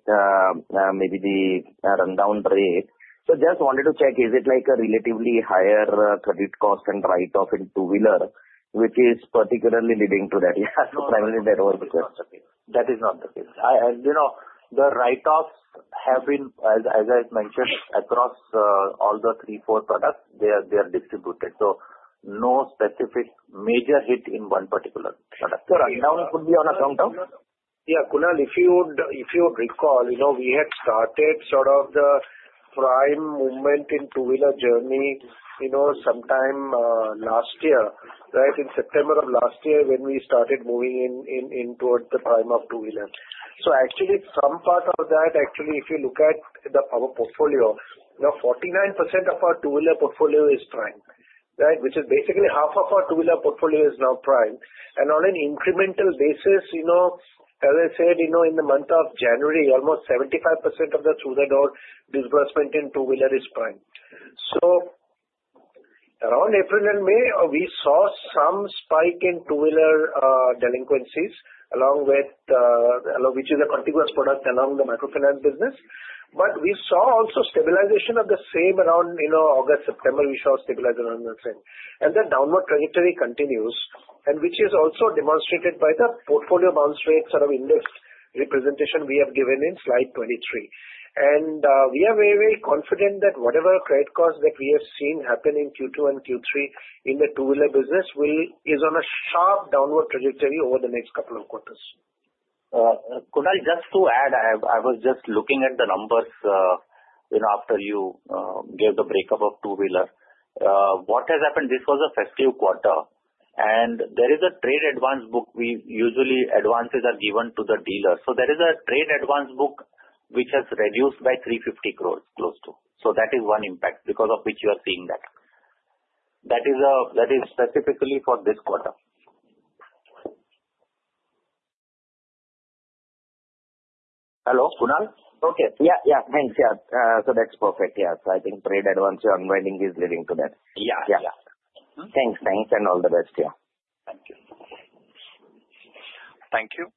maybe the rundown rate. So just wanted to check, is it like a relatively higher credit cost and write-off in two-wheeler, which is particularly leading to that? Yeah. So primarily that was the case. That is not the case, and the write-offs have been, as I mentioned, across all the three, four products, they are distributed. So no specific major hit in one particular product. Now it could be on account of. Yeah. Kunal, if you recall, we had started sort of the prime movement in two-wheeler journey sometime last year, right? In September of last year, when we started moving in towards the prime of two-wheeler. So actually, some part of that, actually, if you look at our portfolio, 49% of our two-wheeler portfolio is prime, right? Which is basically half of our two-wheeler portfolio is now prime. And on an incremental basis, as I said, in the month of January, almost 75% of the through-the-door disbursement in two-wheeler is prime. So around April and May, we saw some spike in two-wheeler delinquencies, along with which is a contiguous product along the microfinance business. But we saw also stabilization of the same around August, September. We saw stabilization around the same. The downward trajectory continues, which is also demonstrated by the portfolio bounce rate sort of index representation we have given in slide 23. We are very, very confident that whatever credit costs that we have seen happen in Q2 and Q3 in the two-wheeler business is on a sharp downward trajectory over the next couple of quarters. Kunal, just to add, I was just looking at the numbers after you gave the breakup of two-wheeler. What has happened? This was a festive quarter. There is a trade advance book. Usually, advances are given to the dealers. So there is a trade advance book which has reduced by 350 crores close to. So that is one impact because of which you are seeing that. That is specifically for this quarter. Hello, Kunal? Okay. Yeah. Yeah. Thanks. Yeah. So that's perfect. Yes. I think trade advance ongoing is leading to that. Yeah. Yeah. Thanks. Thanks. And all the best here. Thank you. Thank you.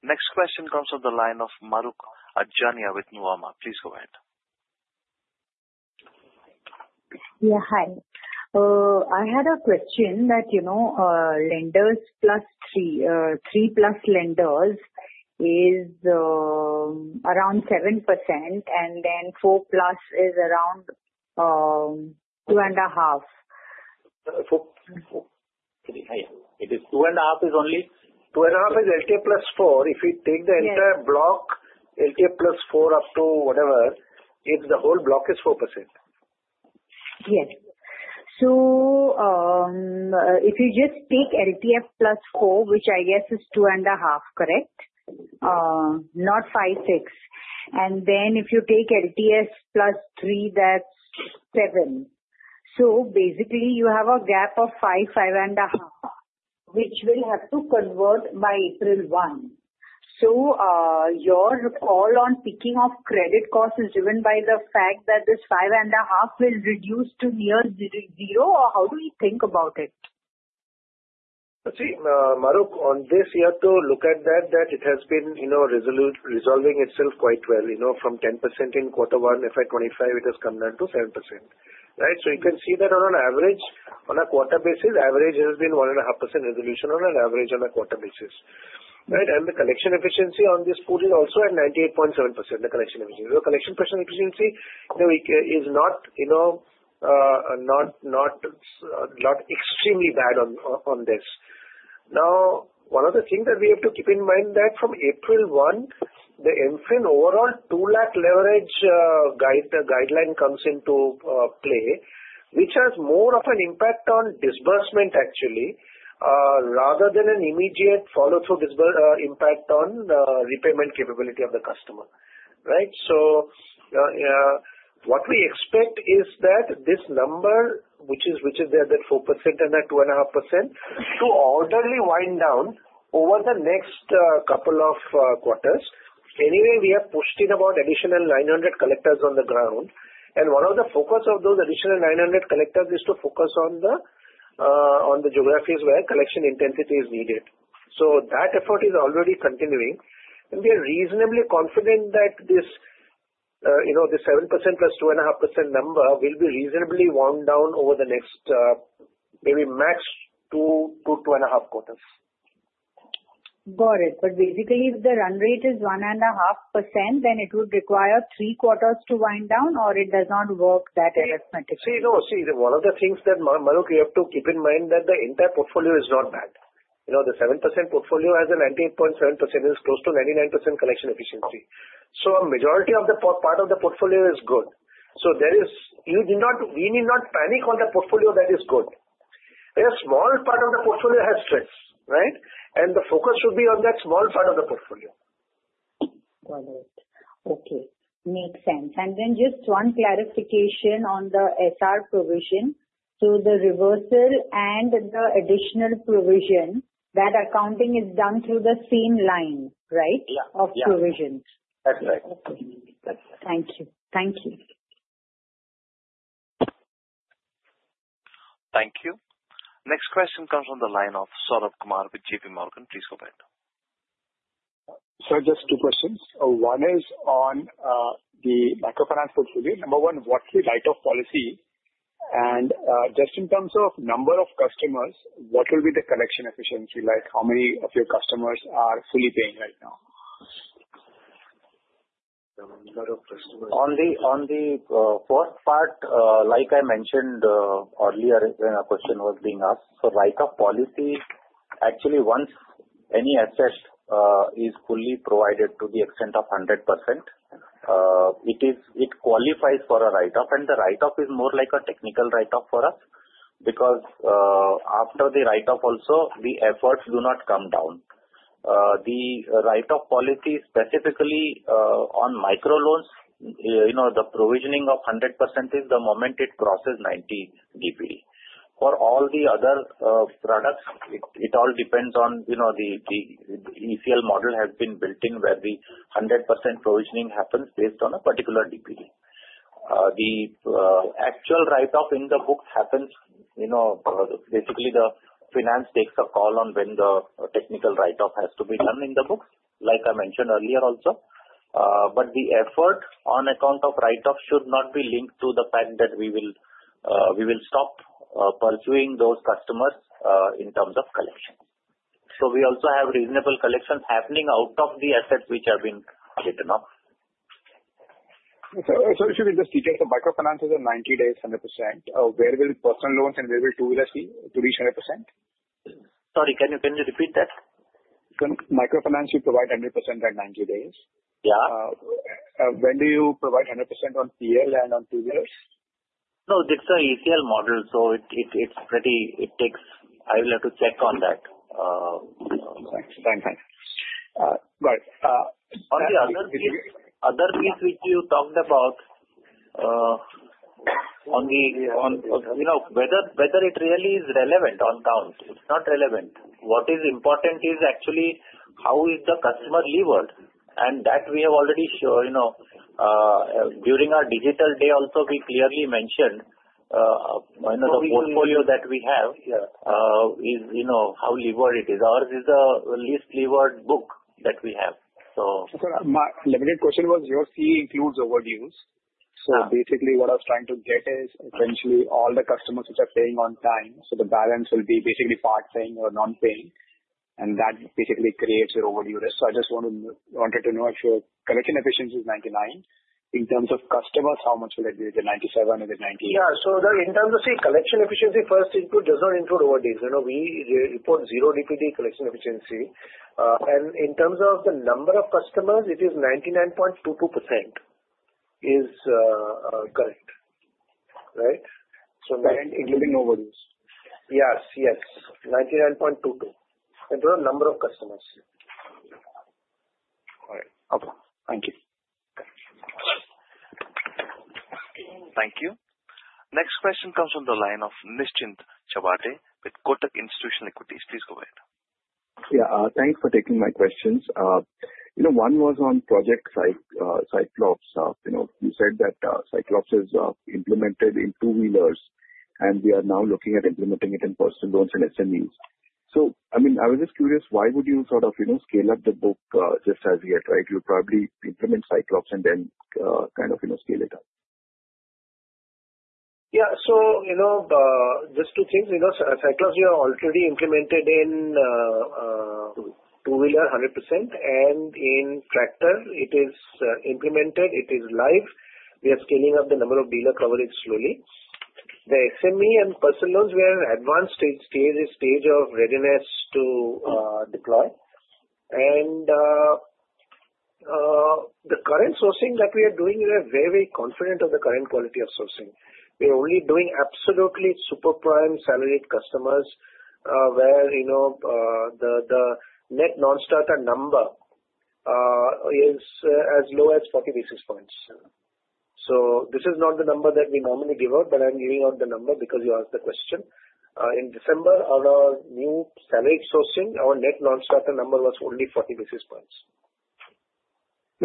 Next question comes from the line of Mahrukh Adajania with Nuvama. Please go ahead. Yeah. Hi. I had a question that LTF plus three plus Lists is around 7%, and then four plus is around 2.5%. Four? Yeah. It is two and a half is only two and a half is LTF plus four. If you take the entire block, LTF plus four up to whatever, the whole block is 4%. Yes. So if you just take LTF plus four, which I guess is two and a half, correct? Not 5-6. And then if you take LTF plus three, that's 7%. So basically, you have a gap of 5%-5.5%, which will have to convert by April 1. So your call on picking of credit cost is driven by the fact that this 5.5 will reduce to near zero, or how do you think about it? See, Mahrukh, on this, you have to look at that, that it has been resolving itself quite well. From 10% in quarter one, FY 2025, it has come down to 7%, right? So you can see that on an average, on a quarter basis, average has been 1.5% resolution on an average on a quarter basis, right? And the collection efficiency on this pool is also at 98.7%, the collection efficiency. The collection efficiency is not extremely bad on this. Now, one of the things that we have to keep in mind is that from April 1, the NBFC overall 2 lakh leverage guideline comes into play, which has more of an impact on disbursement, actually, rather than an immediate follow-through impact on the repayment capability of the customer, right? So what we expect is that this number, which is there at 4% and at 2.5%, to orderly wind down over the next couple of quarters. Anyway, we have pushed in about additional 900 collectors on the ground. And one of the focus of those additional 900 collectors is to focus on the geographies where collection intensity is needed. So that effort is already continuing. And we are reasonably confident that this 7%+ 2.5% number will be reasonably wound down over the next maybe max two to two and a half quarters. Got it. But basically, if the run rate is 1.5%, then it would require three quarters to wind down, or it does not work that arithmetically? See, no. See, one of the things that Mahrukh, you have to keep in mind is that the entire portfolio is not bad. The 7% portfolio has a 98.7%, is close to 99% collection efficiency. So a majority of the part of the portfolio is good. So we need not panic on the portfolio that is good. A small part of the portfolio has strengths, right? And the focus should be on that small part of the portfolio. Got it. Okay. Makes sense. And then just one clarification on the SR provision to the reversal and the additional provision, that accounting is done through the same line, right, of provisions? Yeah. That's right. Okay. Thank you. Thank you. Thank you. Next question comes from the line of Saurabh Kumar with JPMorgan. Please go ahead. Sir, just two questions. One is on the microfinance portfolio. Number one, what's the write-off policy? And just in terms of number of customers, what will be the collection efficiency? How many of your customers are fully paying right now? The number of customers? On the fourth part, like I mentioned earlier when a question was being asked, so write-off policy, actually, once any asset is fully provided to the extent of 100%, it qualifies for a write-off. And the write-off is more like a technical write-off for us because after the write-off also, the efforts do not come down. The write-off policy, specifically on micro loans, the provisioning of 100% is the moment it crosses 90 DPD. For all the other products, it all depends on the ECL model has been built in where the 100% provisioning happens based on a particular DPD. The actual write-off in the book happens basically the finance takes a call on when the technical write-off has to be done in the books, like I mentioned earlier also. But the effort on account of write-off should not be linked to the fact that we will stop pursuing those customers in terms of collection. So we also have reasonable collections happening out of the assets which have been written off. So if you can just detail the microfinance is at 90 days, 100%, where will Personal Loans and where will two-wheelers be to reach 100%? Sorry, can you repeat that? Microfinance, you provide 100% at 90 days. Yeah. When do you provide 100% on PL and on two-wheelers? No, it's a ECL model. So it takes. I will have to check on that. Thanks. Thanks. Got it. On the other piece, which you talked about, on whether it really is relevant on account, it's not relevant. What is important is actually how is the customer levered. And that we have already during our Digital Day also, we clearly mentioned the portfolio that we have is how levered it is. Ours is the least levered book that we have. So my limited question was your C includes overdues. So basically, what I was trying to get is essentially all the customers which are paying on time. So the balance will be basically part paying or non-paying. And that basically creates your overdue list. So I just wanted to know if your collection efficiency is 99%. In terms of customers, how much will it be? Is it 97%? Is it 98%? Yeah. So in terms of, see, collection efficiency first input does not include over days. We report zero DPD collection efficiency. And in terms of the number of customers, it is 99.22% is correct, right? So including overviews. Yes. Yes. 99.22. And the number of customers. All right. Okay. Thank you. Thank you. Next question comes from the line of Nischint Chawathe with Kotak Institutional Equities. Please go ahead. Yeah. Thanks for taking my questions. One was on Project Cyclops. You said that Cyclops is implemented in two-wheelers, and we are now looking at implementing it in Personal Loans and SMEs. So I mean, I was just curious, why would you sort of scale up the book just as yet, right? You'll probably implement Cyclops and then kind of scale it up. Yeah. So just two things. Cyclops we are already implemented in two-wheeler 100%. And in tractor, it is implemented. It is live. We are scaling up the number of dealer coverage slowly. The SME and Personal Loans, we are advanced stage of readiness to deploy. And the current sourcing that we are doing, we are very, very confident of the current quality of sourcing. We are only doing absolutely super prime salaried customers where the Net Non-Starter number is as low as 40 basis points. So this is not the number that we normally give out, but I'm giving out the number because you asked the question. In December, our new salaried sourcing, our Net Non-Starter number was only 40 basis points.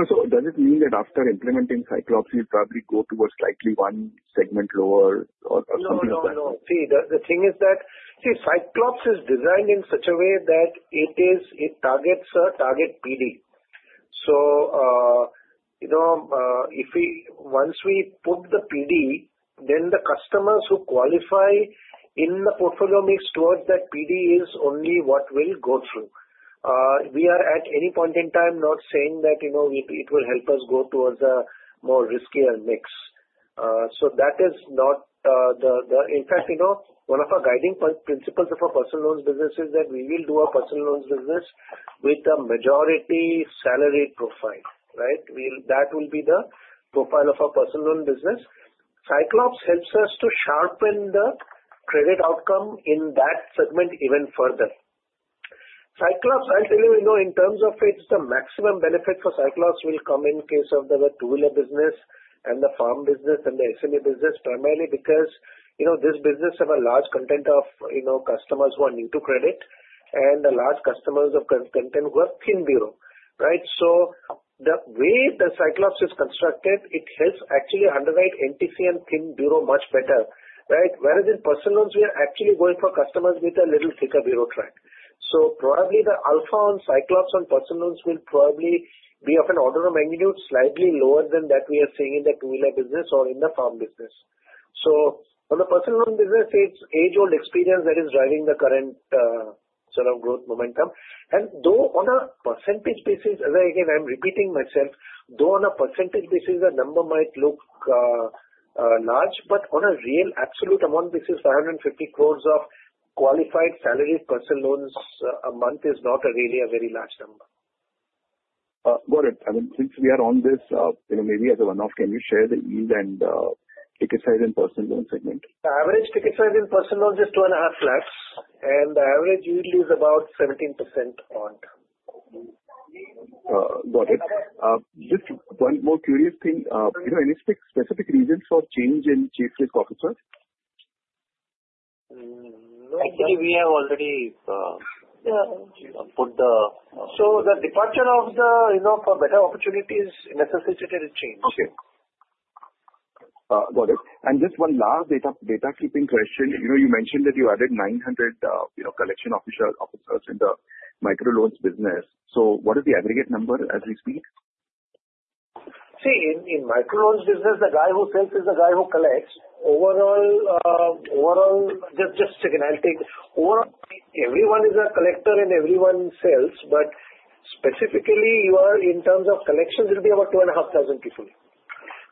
So does it mean that after implementing Cyclops, you probably go towards slightly one segment lower or something like that? No, no, no. See, the thing is that, see, Cyclops is designed in such a way that it targets target PD. So once we put the PD, then the customers who qualify in the portfolio mix towards that PD is only what will go through. We are at any point in time not saying that it will help us go towards a more riskier mix, so that is not. In fact, one of our guiding principles of our Personal Loans business is that we will do our Personal Loans business with the majority salaried profile, right? That will be the profile of our personal loan business. Cyclops helps us to sharpen the credit outcome in that segment even further. Cyclops, I'll tell you, in terms of it, the maximum benefit for Cyclops will come in case of the two-wheeler business and the farm business and the SME business, primarily because this business has a large contingent of customers who are new to credit and a large customer segment with thin bureau, right? So the way the Cyclops is constructed, it helps actually underwrite NTB and thin bureau much better, right? Whereas in Personal Loans, we are actually going for customers with a little thicker bureau track. So probably the alpha on Cyclops on Personal Loans will probably be of an order of magnitude slightly lower than that we are seeing in the two-wheeler business or in the farm business. So on the personal loan business, it's age-old experience that is driving the current sort of growth momentum. Though on a percentage basis, again, I'm repeating myself, though on a percentage basis, the number might look large, but on a real absolute amount, this is 550 crores of qualified salaried Personal Loans a month is not really a very large number. Got it. And since we are on this, maybe as a one-off, can you share the yield and ticket size in personal loan segment? The average ticket size in Personal Loans is 2.5 lakhs, and the average yield is about 17% odd. Got it. Just one more curious thing. Any specific reasons for change in Chief Risk Officer? No. Actually, we have already put the. So the departure of the for better opportunities necessitated a change. Okay. Got it. And just one last housekeeping question. You mentioned that you added 900 collection officers in the micro loans business. So what is the aggregate number as we speak? See, in micro loans business, the guy who sells is the guy who collects. Overall, just a second. I'll take overall, everyone is a collector and everyone sells, but specifically, in terms of collections, it will be about 2.5 thousand people.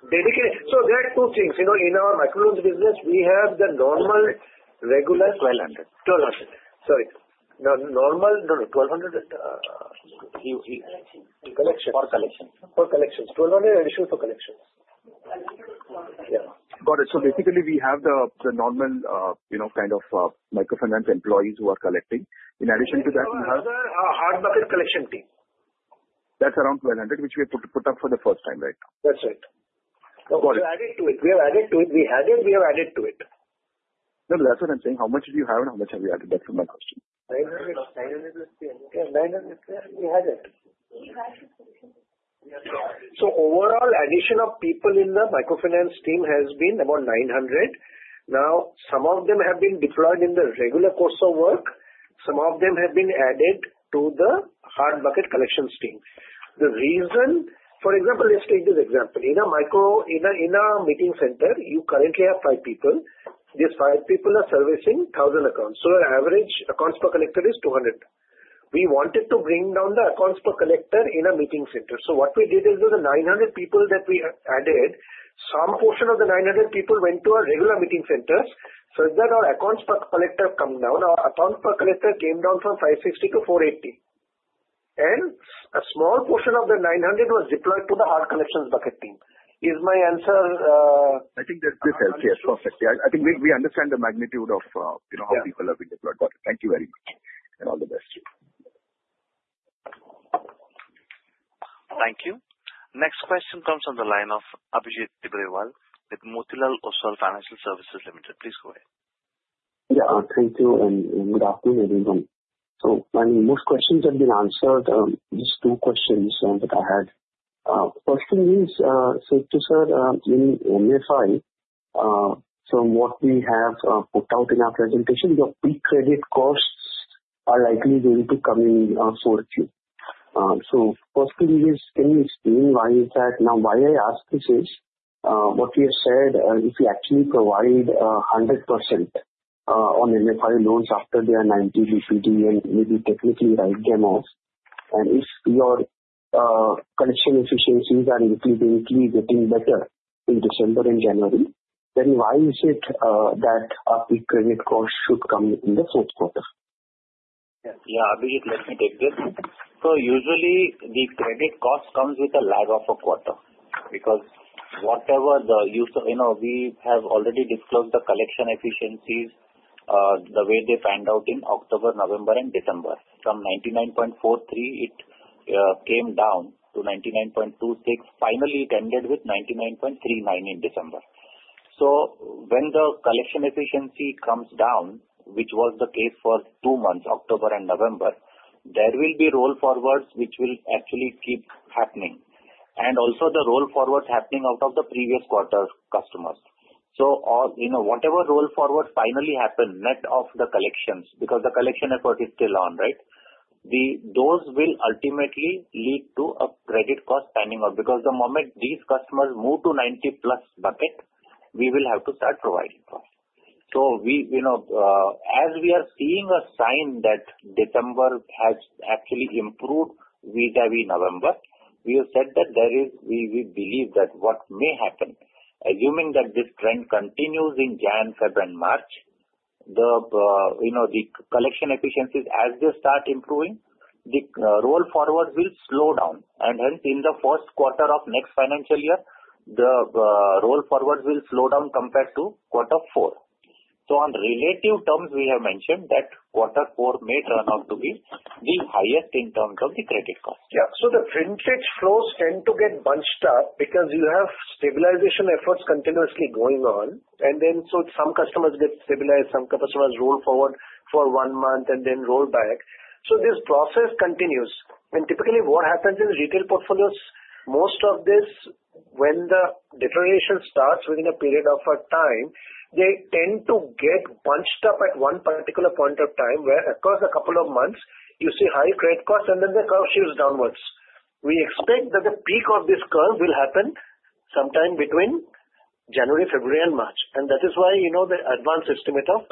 So there are two things. In our micro loans business, we have the normal regular 1,200 for collections. In addition, 1,200 for collections. Yeah. Got it. So basically, we have the normal kind of microfinance employees who are collecting. In addition to that. We have and another hard bucket collection team. That's around 1,200, which we have put up for the first time right now. That's right. Got it. We have added to it. We had it. We have added to it. No, that's what I'm saying. How much did you have and how much have you added? That's my question. 900. 900. Yeah, 900. We had it. So overall, addition of people in the microfinance team has been about 900. Now, some of them have been deployed in the regular course of work. Some of them have been added to the hard bucket collections team. The reason, for example, let's take this example. In a meeting center, you currently have five people. These five people are servicing 1,000 accounts. So our average accounts per collector is 200. We wanted to bring down the accounts per collector in a meeting center. So what we did is the 900 people that we added, some portion of the 900 people went to our regular meeting centers. So that our accounts per collector come down. Our accounts per collector came down from 560 to 480. And a small portion of the 900 was deployed to the hard collections bucket team. Is my answer? I think that's it. Yes. Perfect. I think we understand the magnitude of how people have been deployed. Got it. Thank you very much and all the best to you. Thank you. Next question comes from the line of Abhijit Tibrewal with Motilal Oswal Financial Services Limited. Please go ahead. Yeah. Thank you and good afternoon, everyone. So I mean, most questions have been answered. Just two questions that I had. First thing is, so to sir, in MFI, from what we have put out in our presentation, your peak credit costs are likely going to come in for a few. So first thing is, can you explain why is that? Now, why I ask this is what you have said, if you actually provide 100% on MFI loans after they are 90 DPD and maybe technically write them off, and if your collection efficiencies are increasingly getting better in December and January, then why is it that our peak credit costs should come in the fourth quarter? Yeah. Abhijit, let me take this. So usually, the credit cost comes with a lag of a quarter because as we have already disclosed the collection efficiencies the way they panned out in October, November, and December. From 99.43%, it came down to 99.26%. Finally, it ended with 99.39% in December. So when the collection efficiency comes down, which was the case for two months, October and November, there will be roll forwards which will actually keep happening, and also the roll forwards happening out of the previous quarter customers. So whatever roll forward finally happened, net of the collections, because the collection effort is still on, right? Those will ultimately lead to a credit cost panning out because the moment these customers move to 90-plus bucket, we will have to start providing cost. So as we are seeing a sign that December has actually improved vis-à-vis November, we have said that there is we believe that what may happen, assuming that this trend continues in January, February, and March, the collection efficiencies, as they start improving, the roll forwards will slow down. And hence, in the first quarter of next financial year, the roll forwards will slow down compared to quarter four. So on relative terms, we have mentioned that quarter four may turn out to be the highest in terms of the credit cost. Yeah. So the principal flows tend to get bunched up because you have stabilization efforts continuously going on. And then so some customers get stabilized, some customers roll forward for one month and then roll back. So this process continues. And typically, what happens in retail portfolios, most of this, when the deterioration starts within a period of time, they tend to get bunched up at one particular point of time where, across a couple of months, you see high credit costs, and then the curve shifts downwards. We expect that the peak of this curve will happen sometime between January, February, and March. And that is why the advanced estimate of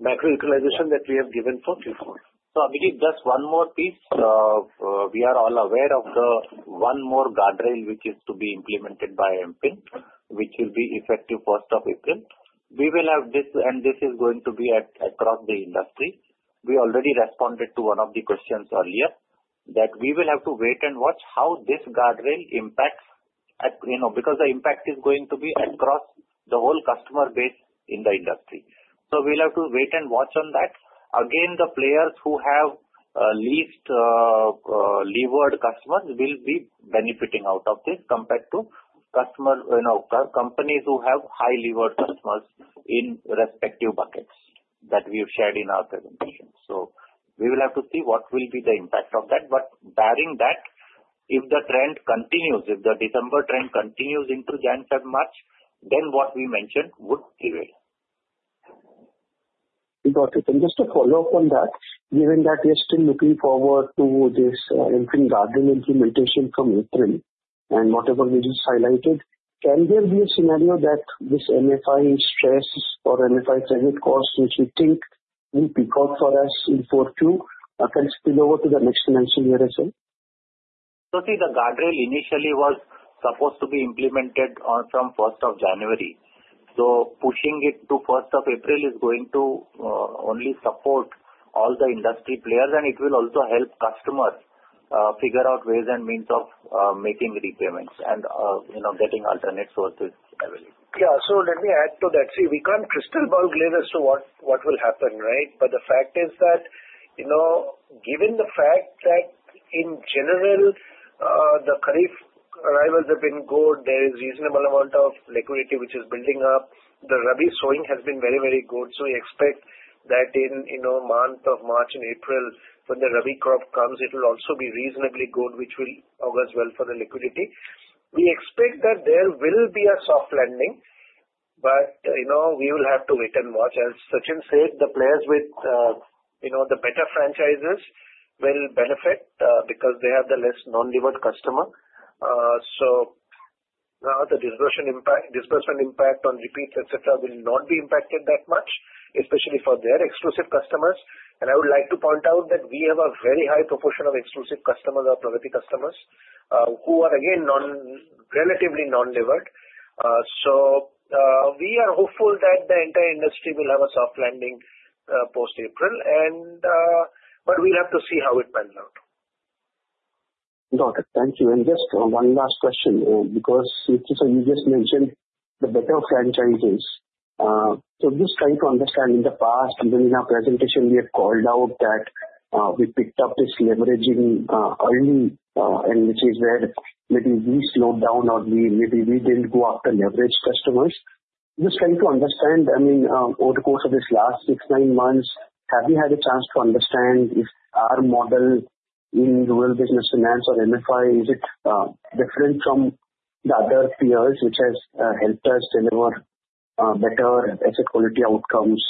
macro utilization that we have given for Q4. So Abhijit, just one more piece. We are all aware of the one more guardrail, which is to be implemented by MFIN, which will be effective 1st of April. We will have this, and this is going to be across the industry. We already responded to one of the questions earlier that we will have to wait and watch how this guardrail impacts because the impact is going to be across the whole customer base in the industry. So we'll have to wait and watch on that. Again, the players who have least levered customers will be benefiting out of this compared to companies who have high levered customers in respective buckets that we have shared in our presentation. So we will have to see what will be the impact of that. But bearing that, if the trend continues, if the December trend continues into January and March, then what we mentioned would prevail. Got it. Just to follow up on that, given that we are still looking forward to this MFIN guardrail implementation from April and whatever we just highlighted, can there be a scenario that this MFI stress or MFI credit cost, which we think will peak out for us in Q4, can spill over to the next financial year as well? See, the guardrail initially was supposed to be implemented from 1st of January. Pushing it to 1st of April is going to only support all the industry players, and it will also help customers figure out ways and means of making repayments and getting alternate sources available. Yeah. Let me add to that. See, we can't crystal ball gaze as to what will happen, right? But the fact is that given the fact that in general, the Kharif arrivals have been good, there is a reasonable amount of liquidity which is building up. The Rabi sowing has been very, very good. So we expect that in the month of March and April, when the Rabi crop comes, it will also be reasonably good, which will augur well for the liquidity. We expect that there will be a soft landing, but we will have to wait and watch. As Sachinn said, the players with the better franchises will benefit because they have the less non-leveraged customers. So now the disbursement impact on repeats, et cetera, will not be impacted that much, especially for their exclusive customers. And I would like to point out that we have a very high proportion of exclusive customers, our prized customers, who are, again, relatively non-leveraged. So we are hopeful that the entire industry will have a soft landing post-April, but we'll have to see how it pans out. Got it. Thank you. And just one last question because you just mentioned the better franchises. So just trying to understand in the past, even in our presentation, we have called out that we picked up this leveraging early, and which is where maybe we slowed down or maybe we didn't go after leveraged customers. Just trying to understand, I mean, over the course of these last six, nine months, have you had a chance to understand if our model in rural business finance or MFI, is it different from the other peers which has helped us deliver better asset quality outcomes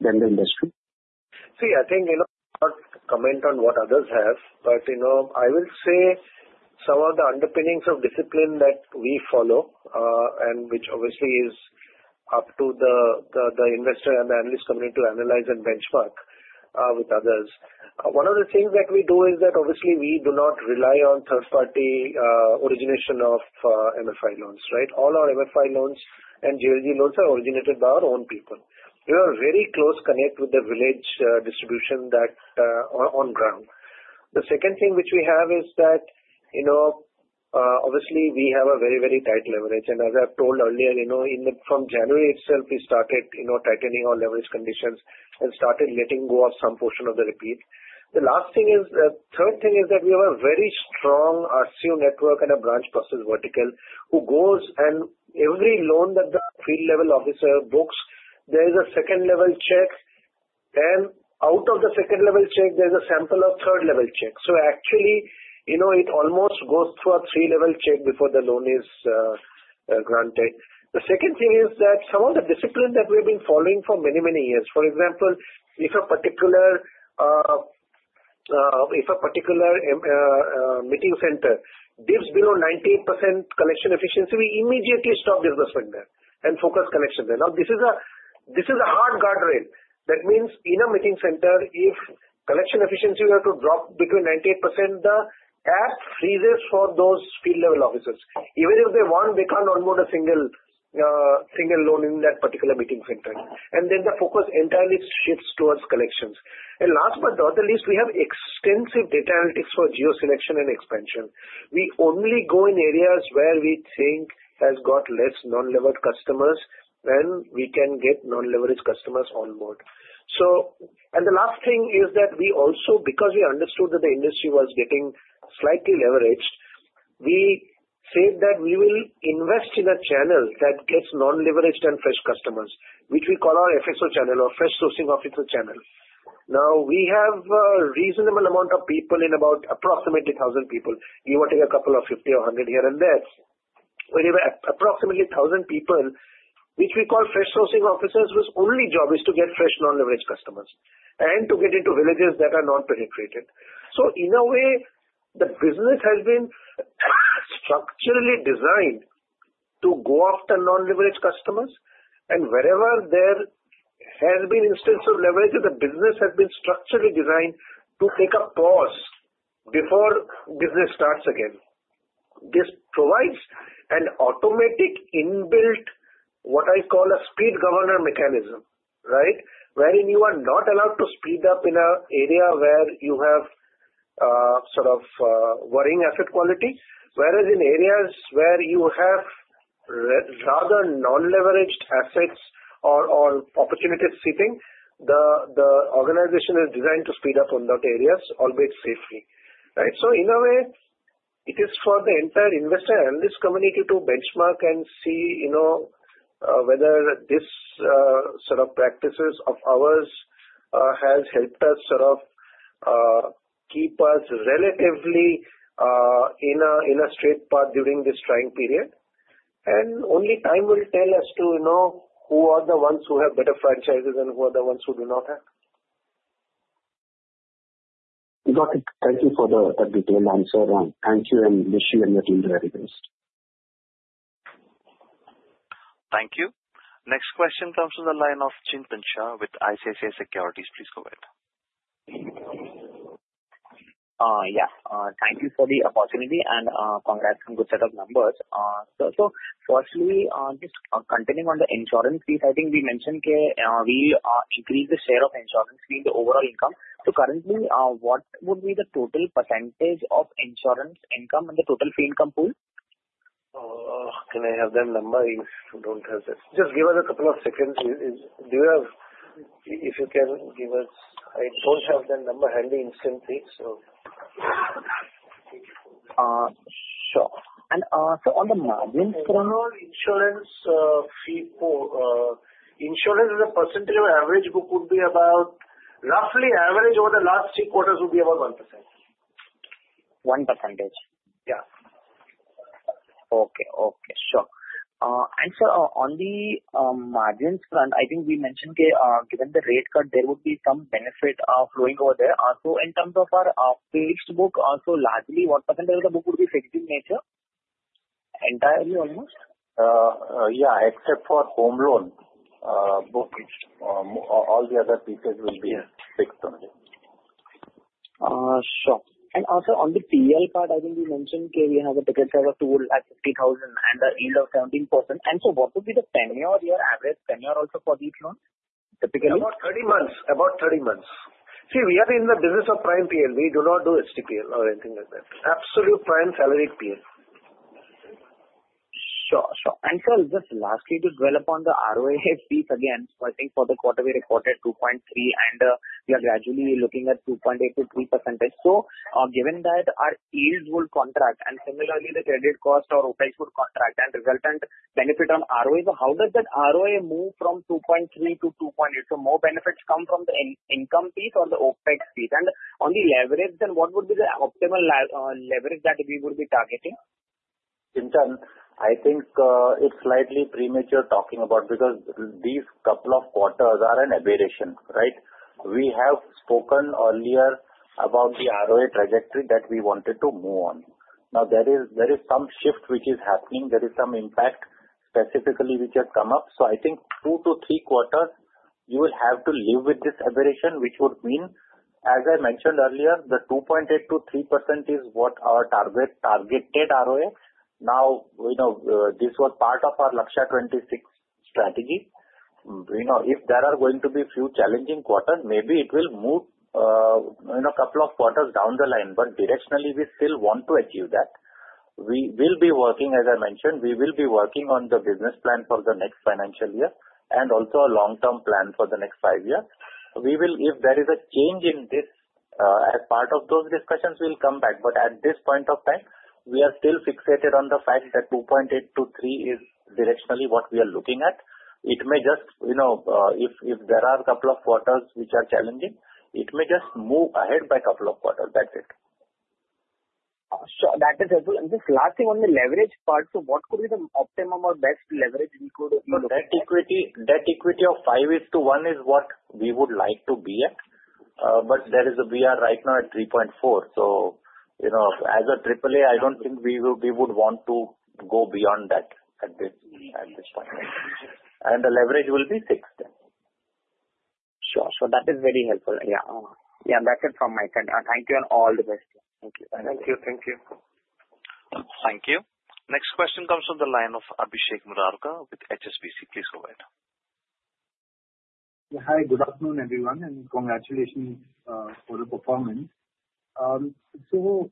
than the industry? See, I think not to comment on what others have, but I will say some of the underpinnings of discipline that we follow and which obviously is up to the investor and the analyst community to analyze and benchmark with others. One of the things that we do is that obviously we do not rely on third-party origination of MFI loans, right? All our MFI loans and JLG loans are originated by our own people. We are very close contact with the village distribution that's on ground. The second thing which we have is that obviously we have a very, very tight leverage. And as I've told earlier, from January itself, we started tightening our leverage conditions and started letting go of some portion of the repeat. The last thing is the third thing is that we have a very strong RCU network and a branch process vertical who goes and every loan that the field level officer books, there is a second-level check, and out of the second-level check, there's a sample of third-level check. So actually, it almost goes through a three-level check before the loan is granted. The second thing is that some of the discipline that we have been following for many, many years. For example, if a particular meeting center dips below 98% collection efficiency, we immediately stop disbursement there and focus collection there. Now, this is a hard guardrail. That means in a meeting center, if collection efficiency were to drop between 98%, the app freezes for those field-level officers. Even if they want, they can't unload a single loan in that particular meeting center. Then the focus entirely shifts towards collections. Last but not the least, we have extensive data analytics for geo-selection and expansion. We only go in areas where we think have got less non-levered customers when we can get non-leveraged customers on board. The last thing is that we also, because we understood that the industry was getting slightly leveraged, we said that we will invest in a channel that gets non-leveraged and fresh customers, which we call our FXO channel or fresh sourcing officer channel. Now, we have a reasonable amount of people in about approximately 1,000 people. You were taking a couple of 50 or 100 here and there. When you have approximately 1,000 people, which we call fresh sourcing officers, whose only job is to get fresh non-leveraged customers and to get into villages that are non-penetrated. So in a way, the business has been structurally designed to go after non-leveraged customers. And wherever there has been instances of leverage, the business has been structurally designed to take a pause before business starts again. This provides an automatic inbuilt, what I call a speed governor mechanism, right? Wherein you are not allowed to speed up in an area where you have sort of worrying asset quality. Whereas in areas where you have rather non-leveraged assets or opportunity sitting, the organization is designed to speed up on those areas, albeit safely. Right? So in a way, it is for the entire investor analyst community to benchmark and see whether this sort of practices of ours has helped us sort of keep us relatively in a straight path during this trying period. and only time will tell as to who are the ones who have better franchises and who are the ones who do not have. Got it. Thank you for the detailed answer, and thank you and wish you and your team the very best. Thank you. Next question comes from the line of Chinmay Garg with ICICI Securities. Please go ahead. Yeah. Thank you for the opportunity and congrats on good set of numbers. Firstly, just continuing on the insurance fees, I think we mentioned we increase the share of insurance fee in the overall income. Currently, what would be the total percentage of insurance income and the total fee income pool? Can I have their number? I don't have it. Just give us a couple of seconds. If you can give us, I don't have their number handy instantly, so. Sure. And so, on the margin front, insurance fee pool. Insurance is a percentage of average book would be about roughly average over the last three quarters would be about 1%. 1%. Yeah. Okay. Okay. Sure. And so, on the margins front, I think we mentioned, given the rate cut, there would be some benefit of going over there. So, in terms of our fixed book, also largely, what percentage of the book would be fixed in nature? Entirely almost? Yeah. Except for home loan, all the other pieces will be fixed only. Sure. And also, on the PL part, I think we mentioned we have a ticket size of 250,000 and a yield of 17%. And so, what would be the tenure or your average tenure also for these loans typically? About 30 months. About 30 months. See, we are in the business of prime PL. We do not do HTPL or anything like that. Absolute prime salaried PL. Sure. Sure, and so just lastly to dwell upon the ROA fees again, I think for the quarter we recorded 2.3%, and we are gradually looking at 2.8%-3%, so given that our yields will contract and similarly the credit cost or OpEx would contract and resultant benefit on ROA, so how does that ROA move from 2.3% to 2.8%, so more benefits come from the income fees or the OpEx fees, and on the leverage, then what would be the optimal leverage that we would be targeting? In turn, I think it's slightly premature talking about because these couple of quarters are an aberration, right? We have spoken earlier about the ROA trajectory that we wanted to move on. Now, there is some shift which is happening. There is some impact specifically which has come up. So I think two to three quarters, you will have to live with this aberration, which would mean, as I mentioned earlier, the 2.8%-3% is what our targeted ROA. Now, this was part of our Lakshya 26 strategy. If there are going to be a few challenging quarters, maybe it will move a couple of quarters down the line, but directionally, we still want to achieve that. We will be working, as I mentioned, on the business plan for the next financial year and also a long-term plan for the next five years. If there is a change in this, as part of those discussions, we'll come back. But at this point of time, we are still fixated on the fact that 2.8%-3% is directionally what we are looking at. It may just, if there are a couple of quarters which are challenging, it may just move ahead by a couple of quarters. That's it. Sure. That is helpful. And just last thing on the leverage part, so what could be the optimum or best leverage we could look at? Debt equity of 5:1 is what we would like to be at. But we are right now at 3.4. So as a AAA, I don't think we would want to go beyond that at this point. And the leverage will be 6 then. Sure. So that is very helpful. Yeah. Yeah. That's it from my side. Thank you and all the best. Thank you. Thank you. Thank you. Thank you. Next question comes from the line of Abhishek Murarka with HSBC. Please go ahead. Hi. Good afternoon, everyone, and congratulations for the performance. So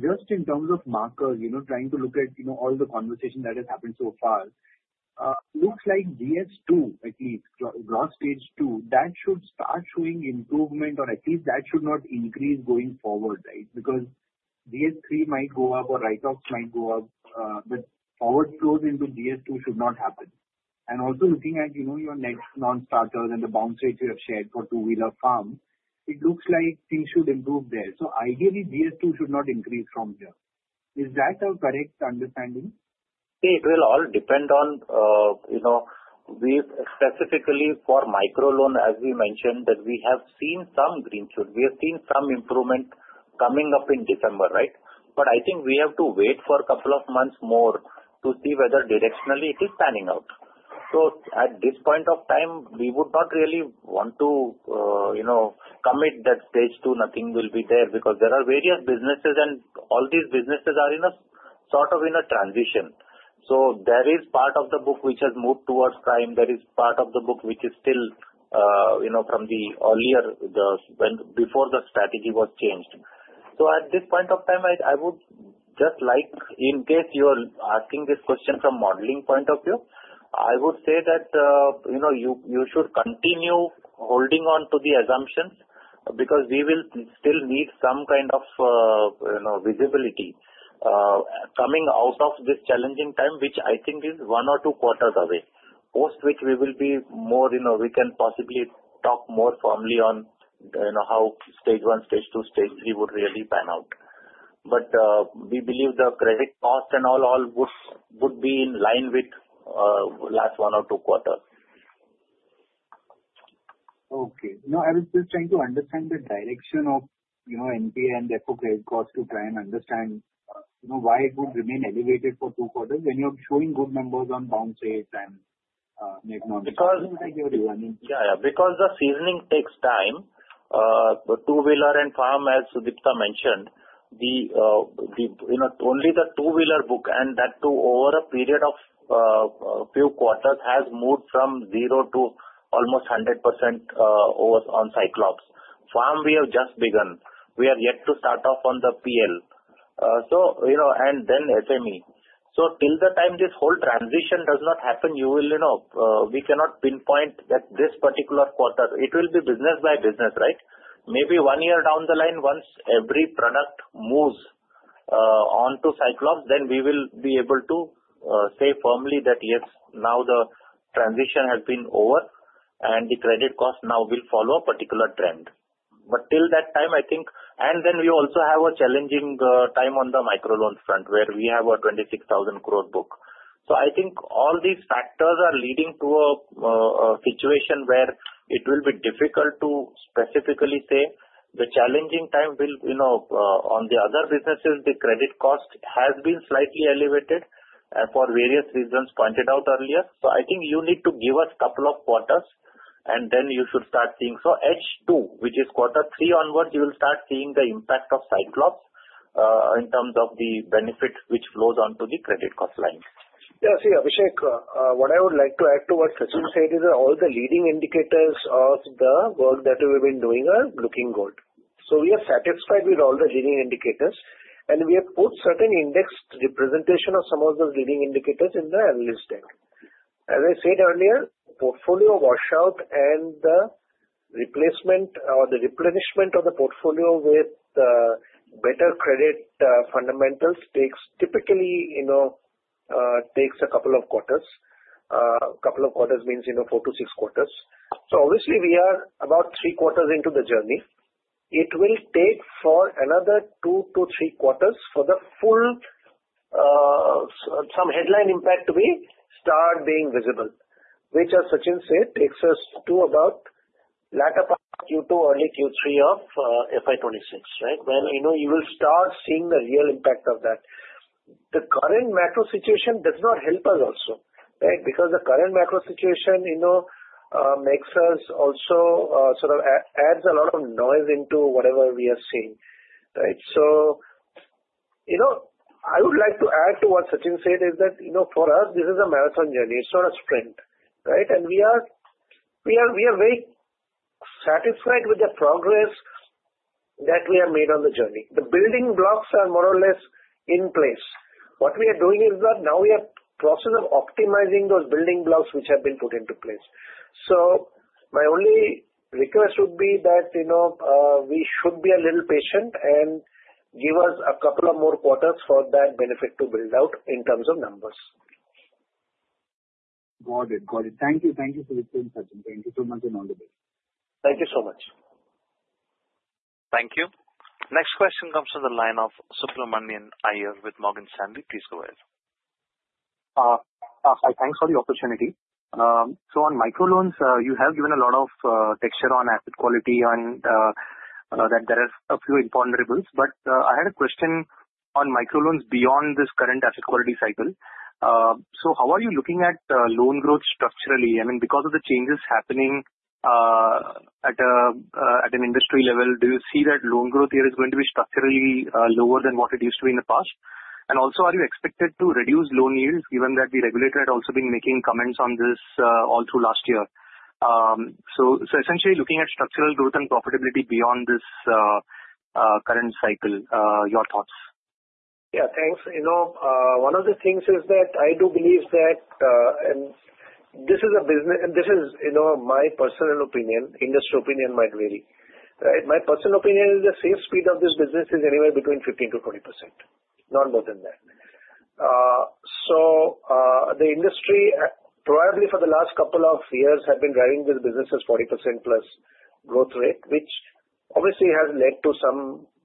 just in terms of markers, trying to look at all the conversation that has happened so far, looks like GS2, at least, Gross Stage 2, that should start showing improvement, or at least that should not increase going forward, right? Because GS3 might go up or write-offs might go up, but forward flows into GS2 should not happen, and also looking at your next non-starters and the bounce rates you have shared for Two-Wheeler Finance, it looks like things should improve there, so ideally, GS2 should not increase from here. Is that a correct understanding? It will all depend on specifically for micro loan, as we mentioned, that we have seen some green shoot. We have seen some improvement coming up in December, right? But I think we have to wait for a couple of months more to see whether directionally it is panning out. So at this point of time, we would not really want to commit that stage 2, nothing will be there because there are various businesses, and all these businesses are sort of in a transition. So there is part of the book which has moved towards prime. There is part of the book which is still from the earlier before the strategy was changed. So at this point of time, I would just like, in case you're asking this question from modeling point of view, I would say that you should continue holding on to the assumptions because we will still need some kind of visibility coming out of this challenging time, which I think is one or two quarters away, post which we will be more we can possibly talk more formally on how stage 1, stage 2, stage 3 would really pan out. But we believe the credit cost and all would be in line with last one or two quarters. Okay. No, I was just trying to understand the direction of NPA and ECL credit cost to try and understand why it would remain elevated for two quarters when you're showing good numbers on bounce rates and net non-leveraged credits. Yeah. Yeah. Because the seasoning takes time. The two-wheeler and farm, as Sudipta mentioned, only the two-wheeler book and that too over a period of few quarters has moved from 0 to almost 100% on Cyclops. Farm, we have just begun. We are yet to start off on the PL. And then SME. So till the time this whole transition does not happen, we cannot pinpoint that this particular quarter. It will be business by business, right? Maybe one year down the line, once every product moves on to Cyclops, then we will be able to say firmly that, yes, now the transition has been over, and the credit cost now will follow a particular trend. But till that time, I think, and then we also have a challenging time on the micro loan front where we have a 26,000 crore book. So I think all these factors are leading to a situation where it will be difficult to specifically say the challenging time will on the other businesses, the credit cost has been slightly elevated for various reasons pointed out earlier. So I think you need to give us a couple of quarters, and then you should start seeing. So H2, which is quarter three onwards, you will start seeing the impact of Cyclops in terms of the benefit which flows onto the credit cost line. Yeah. See, Abhishek, what I would like to add to what Sachinn said is that all the leading indicators of the work that we've been doing are looking good. So we are satisfied with all the leading indicators, and we have put certain indexed representation of some of those leading indicators in the analyst deck. As I said earlier, portfolio washout and the replacement or the replenishment of the portfolio with better credit fundamentals typically takes a couple of quarters. A couple of quarters means four to six quarters. So obviously, we are about three quarters into the journey. It will take for another two to three quarters for the full some headline impact to start being visible, which, as Sachinn said, takes us to about latter part Q2, early Q3 of FY 2026, right? When you will start seeing the real impact of that. The current macro situation does not help us also, right? Because the current macro situation makes us also sort of adds a lot of noise into whatever we are seeing, right? So I would like to add to what Sachinn said is that for us, this is a marathon journey. It's not a sprint, right, and we are very satisfied with the progress that we have made on the journey. The building blocks are more or less in place. What we are doing is that now we are in the process of optimizing those building blocks which have been put into place. So my only request would be that we should be a little patient and give us a couple of more quarters for that benefit to build out in terms of numbers. Got it. Got it. Thank you. Thank you for your time, Sachinn. Thank you so much and all the best. Thank you so much. Thank you. Next question comes from the line of Subramanian Iyer with Morgan Stanley. Please go ahead. Hi. Thanks for the opportunity. So on micro loans, you have given a lot of texture on asset quality and that there are a few important rebounds. But I had a question on micro loans beyond this current asset quality cycle. So how are you looking at loan growth structurally? I mean, because of the changes happening at an industry level, do you see that loan growth here is going to be structurally lower than what it used to be in the past? And also, are you expected to reduce loan yields given that the regulator had also been making comments on this all through last year? So essentially, looking at structural growth and profitability beyond this current cycle, your thoughts? Yeah. Thanks. One of the things is that I do believe that this is a business. This is my personal opinion. Industry opinion might vary, right? My personal opinion is the safe speed of this business is anywhere between 15%-20%, not more than that. So the industry probably for the last couple of years has been driving this business as 40%+ growth rate, which obviously has led to some.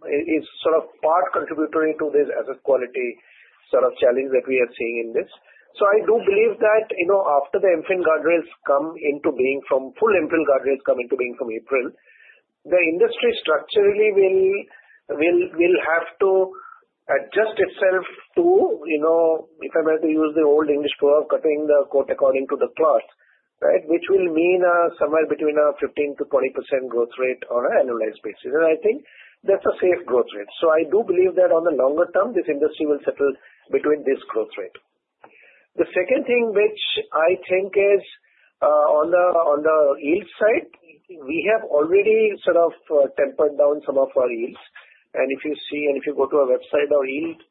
It's sort of part contributory to this asset quality sort of challenge that we are seeing in this. So I do believe that after the infill guardrails come into being from April, the industry structurally will have to adjust itself to, if I were to use the old English proverb, cutting the coat according to the cloth, right? Which will mean somewhere between a 15%-20% growth rate on an annualized basis. And I think that's a safe growth rate. So I do believe that on the longer term, this industry will settle between this growth rate. The second thing which I think is on the yield side, we have already sort of tempered down some of our yields. And if you see, and if you go to our website, our yield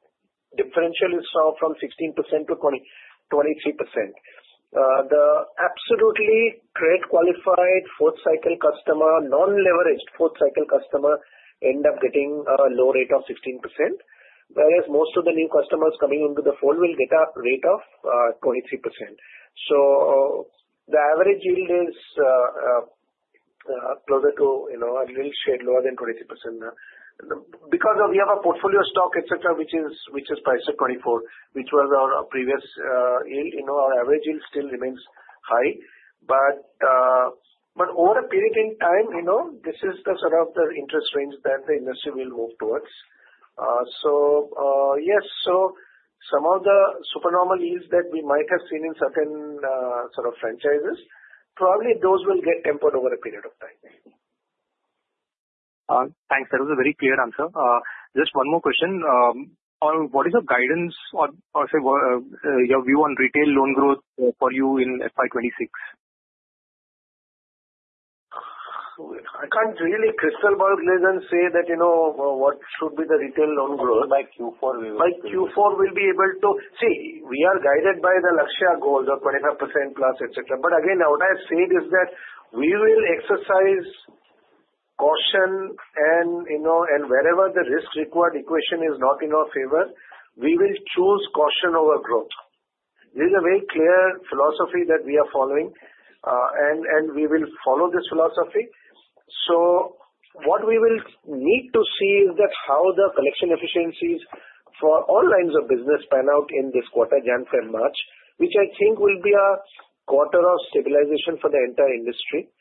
differential is from 16%-23%. The absolutely trade-qualified fourth cycle customer, non-leveraged fourth cycle customer ends up getting a low rate of 16%, whereas most of the new customers coming into the fold will get a rate of 23%. So the average yield is closer to a little shade lower than 23%. Because we have a portfolio stock, et cetera, which is priced at 24, which was our previous yield, our average yield still remains high. But over a period in time, this is sort of the interest range that the industry will move towards. So yes. So some of the supernormal yields that we might have seen in certain sort of franchises, probably those will get tempered over a period of time. Thanks. That was a very clear answer. Just one more question. What is your guidance or your view on retail loan growth for you in FI26? I can't really crystal ball, Glenn, and say that what should be the retail loan growth. By Q4, we will see. By Q4, we'll be able to see. We are guided by the Lakshya goals of 25%+, et cetera. But again, what I said is that we will exercise caution, and wherever the risk-reward equation is not in our favor, we will choose caution over growth. This is a very clear philosophy that we are following, and we will follow this philosophy. So what we will need to see is how the collection efficiencies for all lines of business pan out in this quarter, January-February-March, which I think will be a quarter of stabilization for the entire industry.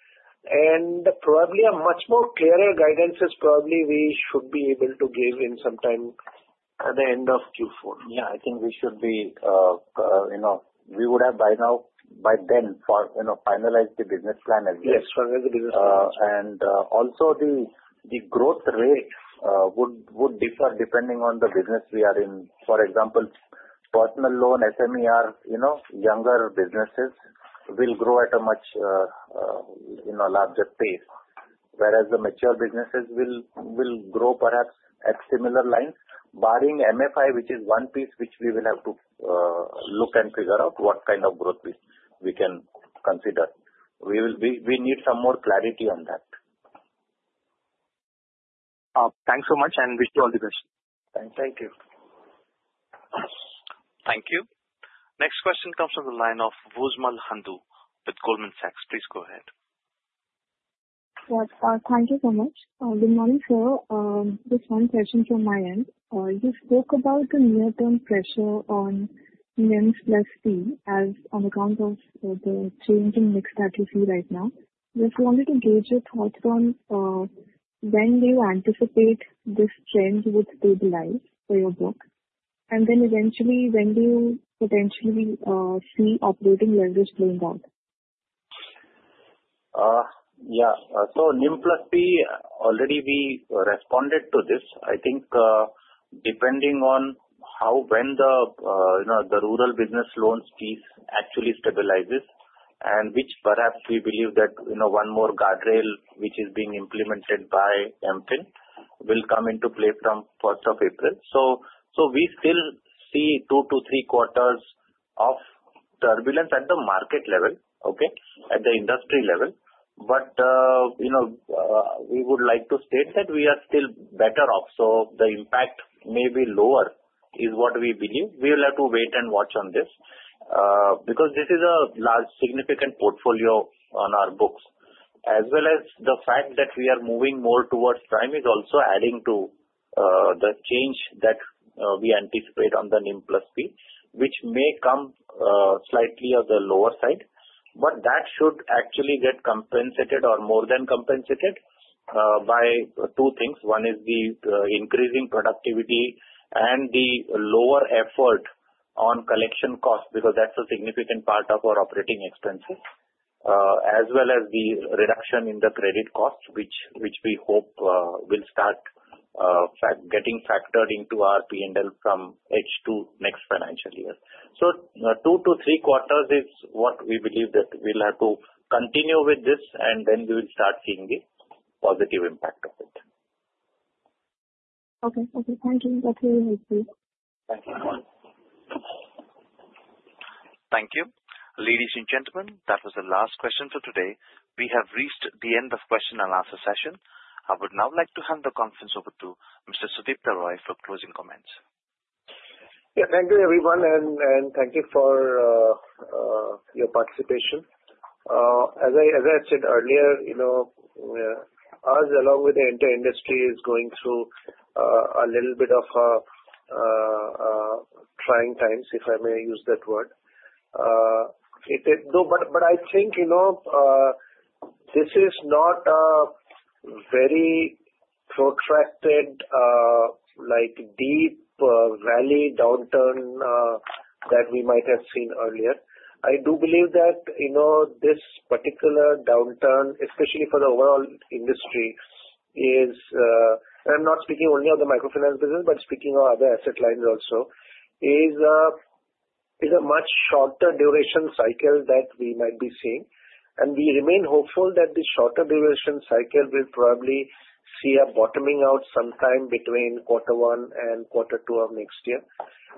And probably a much more clearer guidance is probably we should be able to give in some time at the end of Q4. Yeah. I think we should be, we would have by now, by then, finalized the business plan as well. Yes. Finalized the business plan. And also, the growth rate would differ depending on the business we are in. For example, personal loan, SME, younger businesses will grow at a much larger pace, whereas the mature businesses will grow perhaps at similar lines, barring MFI, which is one piece which we will have to look and figure out what kind of growth we can consider. We need some more clarity on that. Thanks so much and wish you all the best. Thank you. Thank you. Next question comes from the line of Wuzmal Handu with Goldman Sachs. Please go ahead. Thank you so much. Good morning, sir. Just one question from my end. You spoke about the near-term pressure on NIM + Fees on account of the changing mix that you see right now. Just wanted to gauge your thoughts on when do you anticipate this trend would stabilize for your book? And then eventually, when do you potentially see operating leverage playing out? Yeah. So NIM + Fees, already we responded to this. I think depending on how when the rural business loan piece actually stabilizes and which. Perhaps we believe that one more guardrail which is being implemented by MFIN will come into play from 1st of April. So we still see two to three quarters of turbulence at the market level, okay, at the industry level. But we would like to state that we are still better off. So the impact may be lower is what we believe. We will have to wait and watch on this because this is a large significant portfolio on our books. As well as the fact that we are moving more towards prime is also adding to the change that we anticipate on the NIM + Fees, which may come slightly on the lower side. But that should actually get compensated or more than compensated by two things. One is the increasing productivity and the lower effort on collection cost because that's a significant part of our operating expenses, as well as the reduction in the credit cost, which we hope will start getting factored into our P&L from H2 next financial year, so two to three quarters is what we believe that we'll have to continue with this, and then we will start seeing the positive impact of it. Okay. Okay. Thank you. That's really helpful. Thank you. Thank you. Ladies and gentlemen, that was the last question for today. We have reached the end of question and answer session. I would now like to hand the conference over to Mr. Sudipta Roy for closing comments. Yeah. Thank you, everyone, and thank you for your participation. As I said earlier, us along with the entire industry is going through a little bit of trying times, if I may use that word. But I think this is not a very protracted, deep valley downturn that we might have seen earlier. I do believe that this particular downturn, especially for the overall industry, is, and I'm not speaking only of the microfinance business, but speaking of other asset lines also, is a much shorter duration cycle that we might be seeing. And we remain hopeful that this shorter duration cycle will probably see a bottoming out sometime between quarter one and quarter two of next year.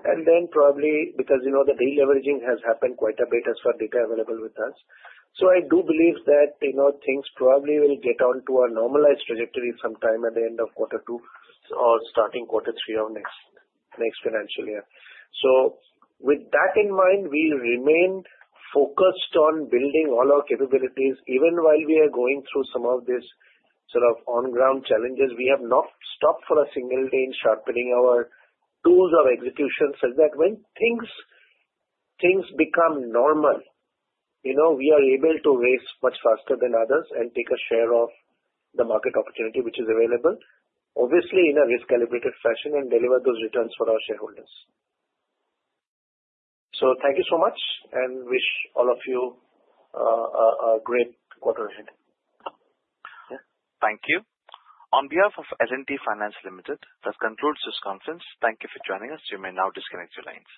And then probably because the deleveraging has happened quite a bit as far as data available with us. So I do believe that things probably will get onto a normalized trajectory sometime at the end of quarter two or starting quarter three of next financial year. So with that in mind, we remain focused on building all our capabilities. Even while we are going through some of these sort of on-ground challenges, we have not stopped for a single day in sharpening our tools of execution such that when things become normal, we are able to race much faster than others and take a share of the market opportunity which is available, obviously in a risk-calibrated fashion and deliver those returns for our shareholders. So thank you so much and wish all of you a great quarter ahead. Thank you. On behalf of L&T Finance Ltd, that concludes this conference. Thank you for joining us. You may now disconnect your lines.